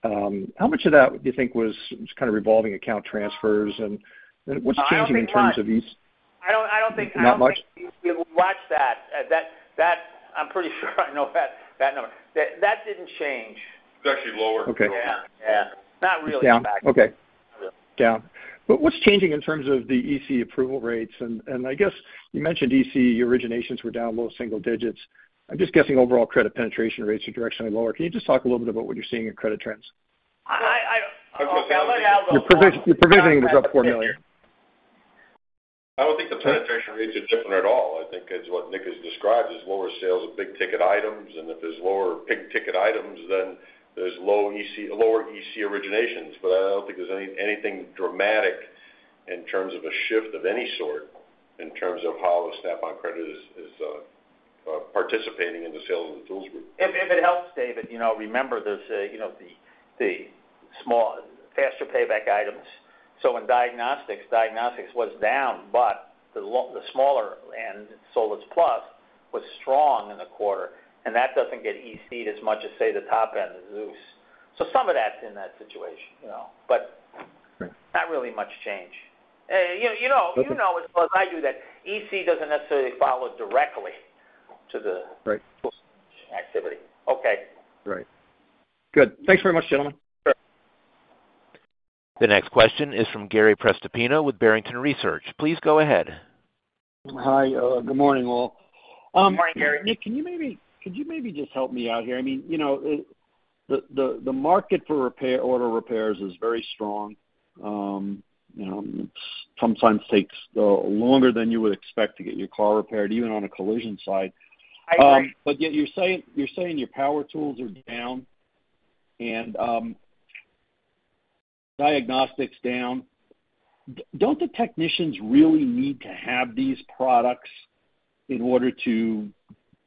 Speaker 7: How much of that do you think was kind of revolving account transfers, and what's changing in terms of EC?
Speaker 3: I don't think.
Speaker 7: Not much?
Speaker 3: We watched that. I'm pretty sure I know that number. That didn't change.
Speaker 4: It was actually lower.
Speaker 3: Yeah. Yeah. Not really, in fact.
Speaker 7: Yeah. Okay. Down. But what's changing in terms of the EC approval rates? And I guess you mentioned EC. Your originations were down low single digits. I'm just guessing overall credit penetration rates are directionally lower. Can you just talk a little bit about what you're seeing in credit trends?
Speaker 3: I'll let Aldo speak.
Speaker 7: Your provisioning was up $4 million.
Speaker 4: I don't think the penetration rates are different at all. I think it's what Nick has described as lower sales of big-ticket items. And if there's lower big-ticket items, then there's lower EC originations. But I don't think there's anything dramatic in terms of a shift of any sort in terms of how Snap-on Credit is participating in the sales of the Tools Group.
Speaker 3: If it helps, David, remember there's the faster payback items. So in diagnostics, diagnostics was down, but the smaller end, SOLUS+, was strong in the quarter. And that doesn't get EC'd as much as, say, the top end, ZEUS. So some of that's in that situation, but not really much change. You know as well as I do that EC doesn't necessarily follow directly to the tools activity. Okay.
Speaker 7: Right. Good. Thanks very much, gentlemen.
Speaker 1: The next question is from Gary Prestopino with Barrington Research. Please go ahead.
Speaker 8: Hi. Good morning, all.
Speaker 3: Good morning, Gary.
Speaker 8: Nick, could you maybe just help me out here? I mean, the market for auto repairs is very strong. It sometimes takes longer than you would expect to get your car repaired, even on a collision side. But yet you're saying your power tools are down and diagnostics down. Don't the technicians really need to have these products in order to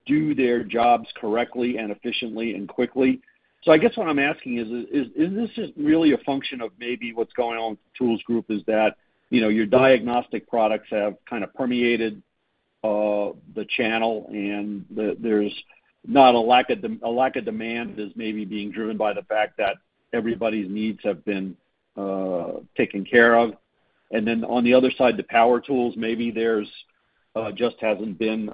Speaker 8: do their jobs correctly and efficiently and quickly? So I guess what I'm asking is, is this really a function of maybe what's going on with the Tools Group is that your diagnostic products have kind of permeated the channel, and there's not a lack of demand that is maybe being driven by the fact that everybody's needs have been taken care of? And then on the other side, the power tools, maybe there just hasn't been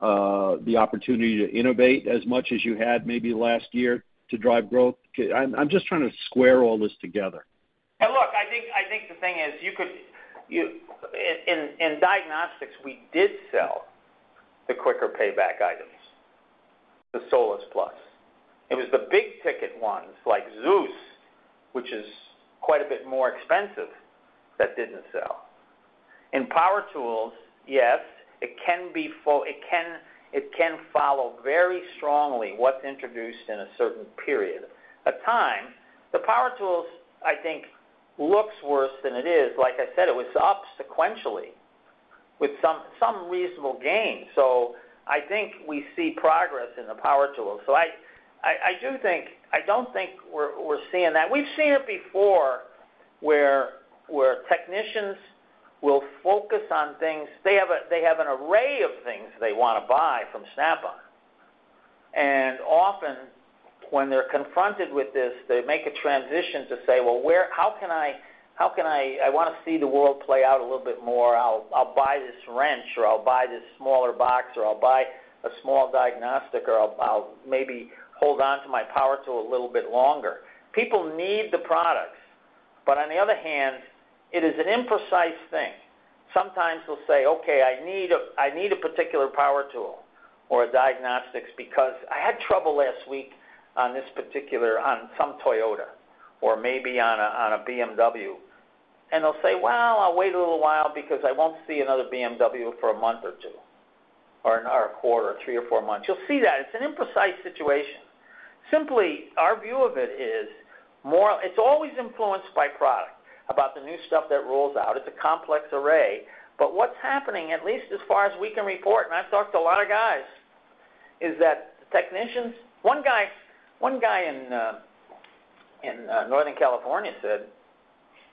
Speaker 8: the opportunity to innovate as much as you had maybe last year to drive growth. I'm just trying to square all this together.
Speaker 3: And look, I think the thing is you could in diagnostics, we did sell the quicker payback items, the SOLUS+. It was the big-ticket ones like ZEUS, which is quite a bit more expensive, that didn't sell. In power tools, yes, it can follow very strongly what's introduced in a certain period of time. The power tools, I think, looks worse than it is. Like I said, it was up sequentially with some reasonable gain. So I think we see progress in the power tools. So I do think I don't think we're seeing that. We've seen it before where technicians will focus on things they have an array of things they want to buy from Snap-on. And often, when they're confronted with this, they make a transition to say, "Well, how can I" I want to see the world play out a little bit more. I'll buy this wrench, or I'll buy this smaller box, or I'll buy a small diagnostic, or I'll maybe hold onto my power tool a little bit longer. People need the products. But on the other hand, it is an imprecise thing. Sometimes they'll say, "Okay, I need a particular power tool or diagnostics because I had trouble last week on some Toyota or maybe on a BMW." And they'll say, "Well, I'll wait a little while because I won't see another BMW for a month or two or a quarter or three or four months." You'll see that. It's an imprecise situation. Simply, our view of it is more it's always influenced by product. About the new stuff that rolls out. It's a complex array. But what's happening, at least as far as we can report - and I've talked to a lot of guys - is that the technicians one guy in Northern California said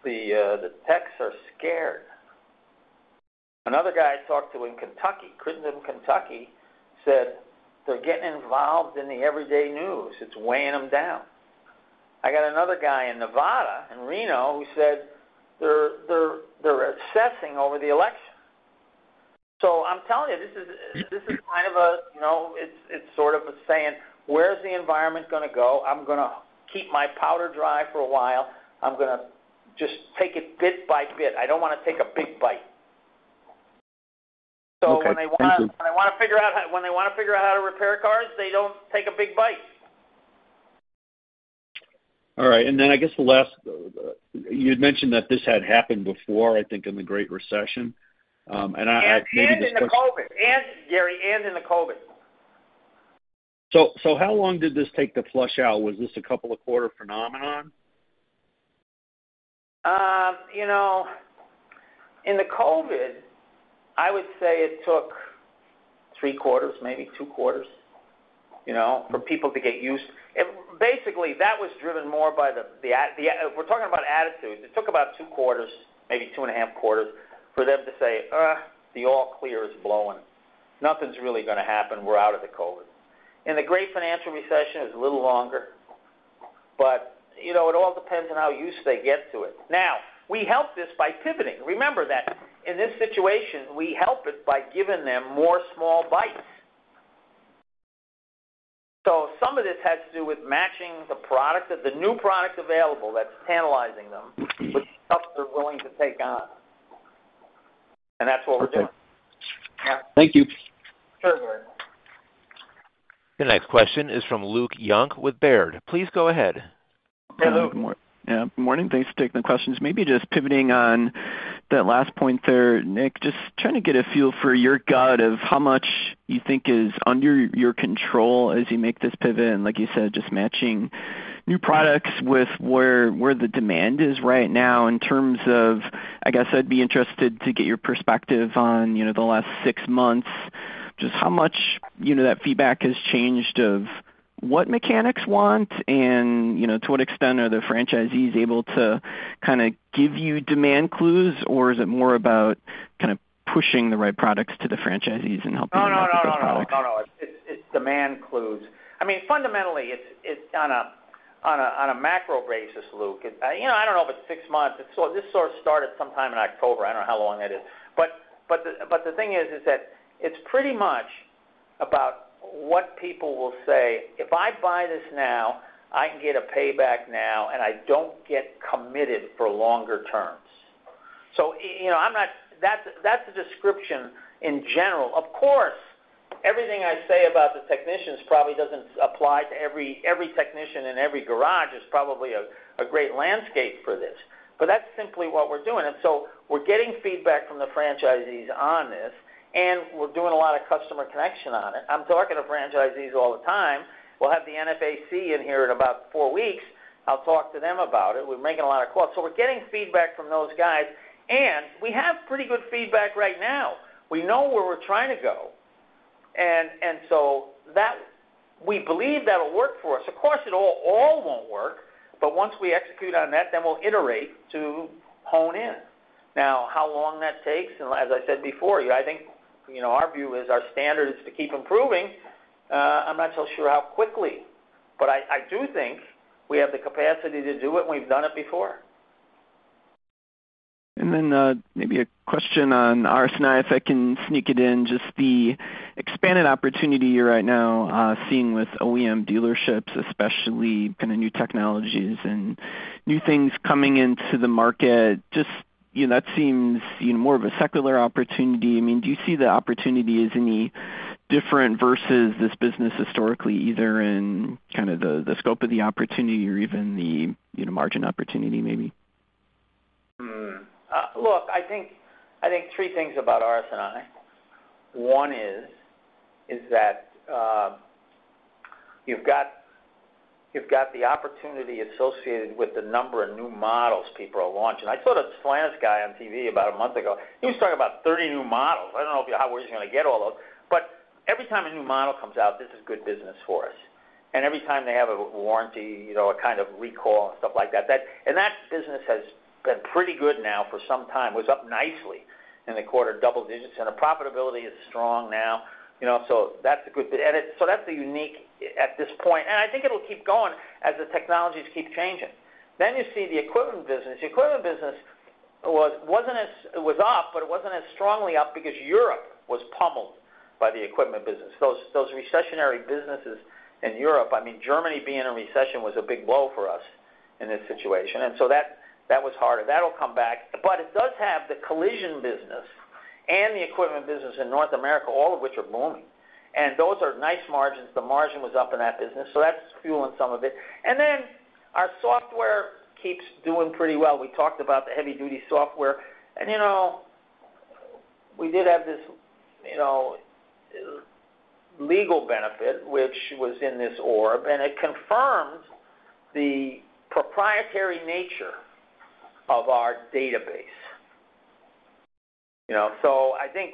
Speaker 3: the techs are scared. Another guy I talked to in Kentucky, Creighton in Kentucky, said they're getting involved in the everyday news. It's weighing them down. I got another guy in Nevada and Reno who said they're obsessing over the election. So I'm telling you, this is kind of a it's sort of a saying, "Where's the environment going to go? I'm going to keep my powder dry for a while. I'm going to just take it bit by bit. I don't want to take a big bite." So when they want to figure out when they want to figure out how to repair cars, they don't take a big bite.
Speaker 8: All right. Then I guess the last you'd mentioned that this had happened before, I think, in the Great Recession. I maybe just.
Speaker 3: And in the COVID, Gary.
Speaker 8: How long did this take to flesh out? Was this a couple-quarter phenomenon?
Speaker 3: In the COVID, I would say it took three quarters, maybe two quarters, for people to get used basically, that was driven more by the we're talking about attitudes. It took about two quarters, maybe two and a half quarters, for them to say, "Ugh, the all-clear is blowing. Nothing's really going to happen. We're out of the COVID." In the Great Financial Recession, it was a little longer. But it all depends on how used they get to it. Now, we help this by pivoting. Remember that in this situation, we help it by giving them more small bites. So some of this has to do with matching the new product available that's tantalizing them with the stuff they're willing to take on. And that's what we're doing. Yeah.
Speaker 8: Thank you.
Speaker 3: Sure, Gary.
Speaker 1: The next question is from Luke Junk with Baird. Please go ahead.
Speaker 3: Hey, Luke.
Speaker 9: Yeah. Good morning. Thanks for taking the questions. Maybe just pivoting on that last point there, Nick, just trying to get a feel for your gut of how much you think is under your control as you make this pivot. And like you said, just matching new products with where the demand is right now in terms of I guess I'd be interested to get your perspective on the last six months, just how much that feedback has changed of what mechanics want and to what extent are the franchisees able to kind of give you demand clues, or is it more about kind of pushing the right products to the franchisees and helping them get the products?
Speaker 3: No, no, no, no, no, no. It's demand clues. I mean, fundamentally, it's on a macro basis, Luke. I don't know if it's six months. This sort of started sometime in October. I don't know how long that is. But the thing is that it's pretty much about what people will say, "If I buy this now, I can get a payback now, and I don't get committed for longer terms." So I'm not. That's a description in general. Of course, everything I say about the technicians probably doesn't apply to every technician in every garage. It's probably a great landscape for this. But that's simply what we're doing. And so we're getting feedback from the franchisees on this, and we're doing a lot of customer connection on it. I'm talking to franchisees all the time. We'll have the NFAC in here in about four weeks. I'll talk to them about it. We're making a lot of calls. So we're getting feedback from those guys. And we have pretty good feedback right now. We know where we're trying to go. And so we believe that'll work for us. Of course, it all won't work. But once we execute on that, then we'll iterate to hone in. Now, how long that takes and as I said before, I think our view is our standard is to keep improving. I'm not so sure how quickly. But I do think we have the capacity to do it, and we've done it before.
Speaker 9: And then maybe a question on RS&I, if I can sneak it in, just the expanded opportunity you're right now seeing with OEM dealerships, especially kind of new technologies and new things coming into the market, just that seems more of a secular opportunity. I mean, do you see the opportunity as any different versus this business historically, either in kind of the scope of the opportunity or even the margin opportunity, maybe?
Speaker 3: Look, I think three things about RS&I. One is that you've got the opportunity associated with the number of new models people are launching. I saw this Stellantis guy on TV about a month ago. He was talking about 30 new models. I don't know how we're even going to get all those. But every time a new model comes out, this is good business for us. And every time they have a warranty, a kind of recall, and stuff like that. And that business has been pretty good now for some time. It was up nicely in the quarter, double digits. And the profitability is strong now. So that's a good and so that's the unique at this point. And I think it'll keep going as the technologies keep changing. Then you see the equipment business. The equipment business was up, but it wasn't as strongly up because Europe was pummeled by the equipment business. Those recessionary businesses in Europe I mean, Germany being in recession was a big blow for us in this situation. And so that was harder. That'll come back. But it does have the collision business and the equipment business in North America, all of which are booming. And those are nice margins. The margin was up in that business. So that's fueling some of it. And then our software keeps doing pretty well. We talked about the heavy-duty software. And we did have this legal benefit, which was in this arb. And it confirmed the proprietary nature of our database. So I think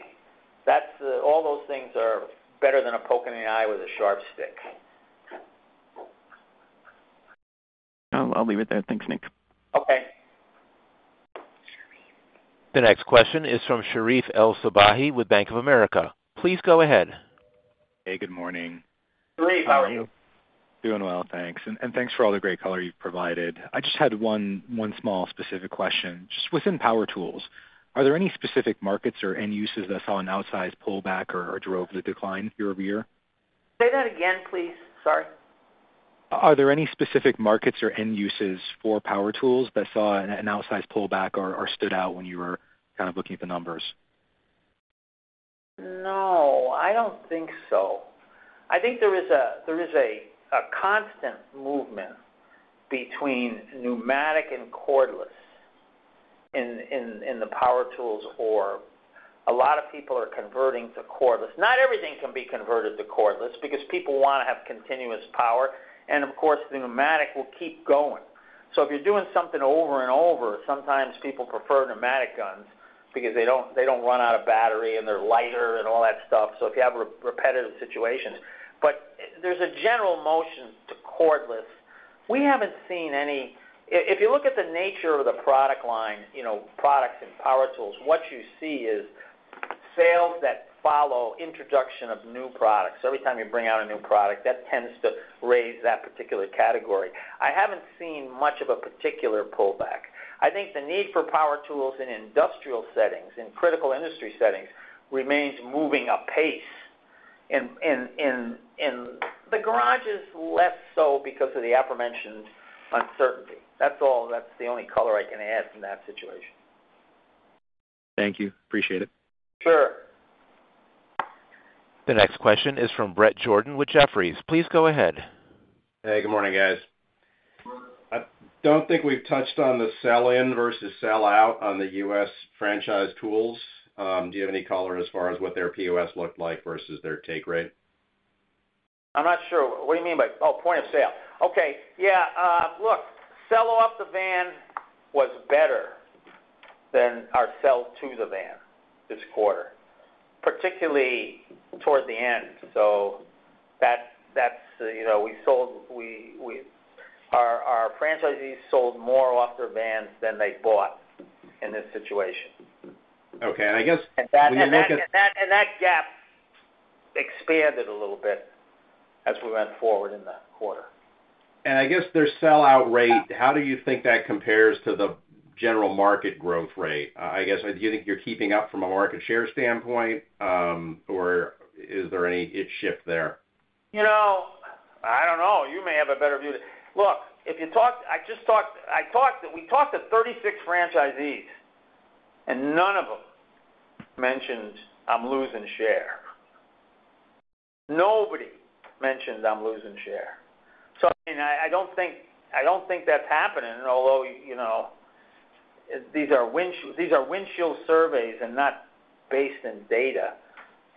Speaker 3: all those things are better than a poke in the eye with a sharp stick.
Speaker 9: I'll leave it there. Thanks, Nick.
Speaker 3: Okay.
Speaker 1: The next question is from Sherif El-Sabbahy with Bank of America. Please go ahead.
Speaker 10: Hey. Good morning.
Speaker 3: Sherif, how are you?
Speaker 10: Doing well. Thanks. And thanks for all the great color you've provided. I just had one small specific question. Just within power tools, are there any specific markets or end uses that saw an outsized pullback or drove the decline year-over-year?
Speaker 3: Say that again, please. Sorry.
Speaker 10: Are there any specific markets or end uses for power tools that saw an outsized pullback or stood out when you were kind of looking at the numbers?
Speaker 3: No, I don't think so. I think there is a constant movement between pneumatic and cordless in the power tools. A lot of people are converting to cordless. Not everything can be converted to cordless because people want to have continuous power. Of course, the pneumatic will keep going. So if you're doing something over and over, sometimes people prefer pneumatic guns because they don't run out of battery, and they're lighter, and all that stuff. So if you have repetitive situations but there's a general motion to cordless. We haven't seen any. If you look at the nature of the product line, products in power tools, what you see is sales that follow introduction of new products. So every time you bring out a new product, that tends to raise that particular category. I haven't seen much of a particular pullback. I think the need for power tools in industrial settings, in critical industry settings, remains moving apace. In the garages, less so because of the aforementioned uncertainty. That's the only color I can add in that situation.
Speaker 10: Thank you. Appreciate it.
Speaker 3: Sure.
Speaker 1: The next question is from Bret Jordan with Jefferies. Please go ahead.
Speaker 11: Hey. Good morning, guys. I don't think we've touched on the sell-in versus sell-out on the U.S. franchise tools. Do you have any color as far as what their POS looked like versus their take rate?
Speaker 3: I'm not sure. What do you mean by oh, point of sale? Okay. Yeah. Look, sell-off the van was better than our sell-to-the-van this quarter, particularly toward the end. So our franchisees sold more off their vans than they bought in this situation.
Speaker 11: Okay. And I guess when you look at.
Speaker 3: That gap expanded a little bit as we went forward in the quarter.
Speaker 11: I guess their sell-out rate, how do you think that compares to the general market growth rate? I guess, do you think you're keeping up from a market share standpoint, or is there any shift there?
Speaker 3: I don't know. You may have a better view to look if you talked. I just talked to, we talked to 36 franchisees, and none of them mentioned, "I'm losing share." Nobody mentioned, "I'm losing share." So, I mean, I don't think that's happening, although these are windshield surveys and not based in data.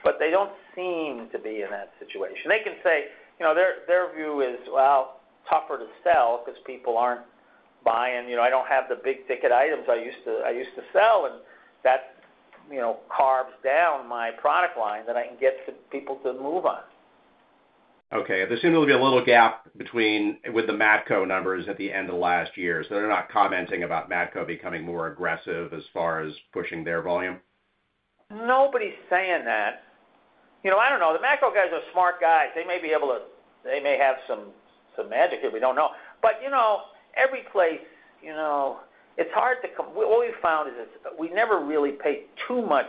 Speaker 3: But they don't seem to be in that situation. They can say their view is, "Well, tougher to sell because people aren't buying. I don't have the big-ticket items I used to sell. And that carves down my product line that I can get people to move on.
Speaker 11: Okay. There seems to be a little gap with the Matco numbers at the end of last year. So they're not commenting about Matco becoming more aggressive as far as pushing their volume?
Speaker 3: Nobody's saying that. I don't know. The Matco guys are smart guys. They may have some magic here. We don't know. But every place, it's hard to all we've found is we never really paid too much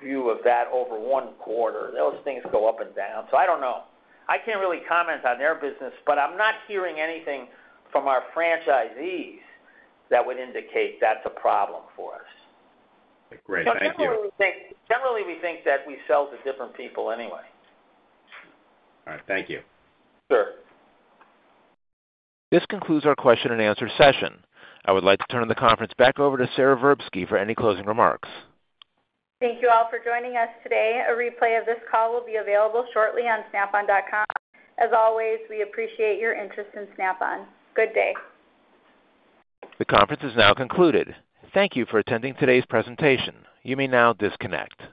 Speaker 3: heed to that over one quarter. Those things go up and down. So I don't know. I can't really comment on their business. But I'm not hearing anything from our franchisees that would indicate that's a problem for us.
Speaker 11: Great. Thank you.
Speaker 3: So generally, we think that we sell to different people anyway.
Speaker 11: All right. Thank you.
Speaker 3: Sure.
Speaker 1: This concludes our question-and-answer session. I would like to turn the conference back over to Sara Verbsky for any closing remarks.
Speaker 2: Thank you all for joining us today. A replay of this call will be available shortly on Snap-on.com. As always, we appreciate your interest in Snap-on. Good day.
Speaker 1: The conference is now concluded. Thank you for attending today's presentation. You may now disconnect.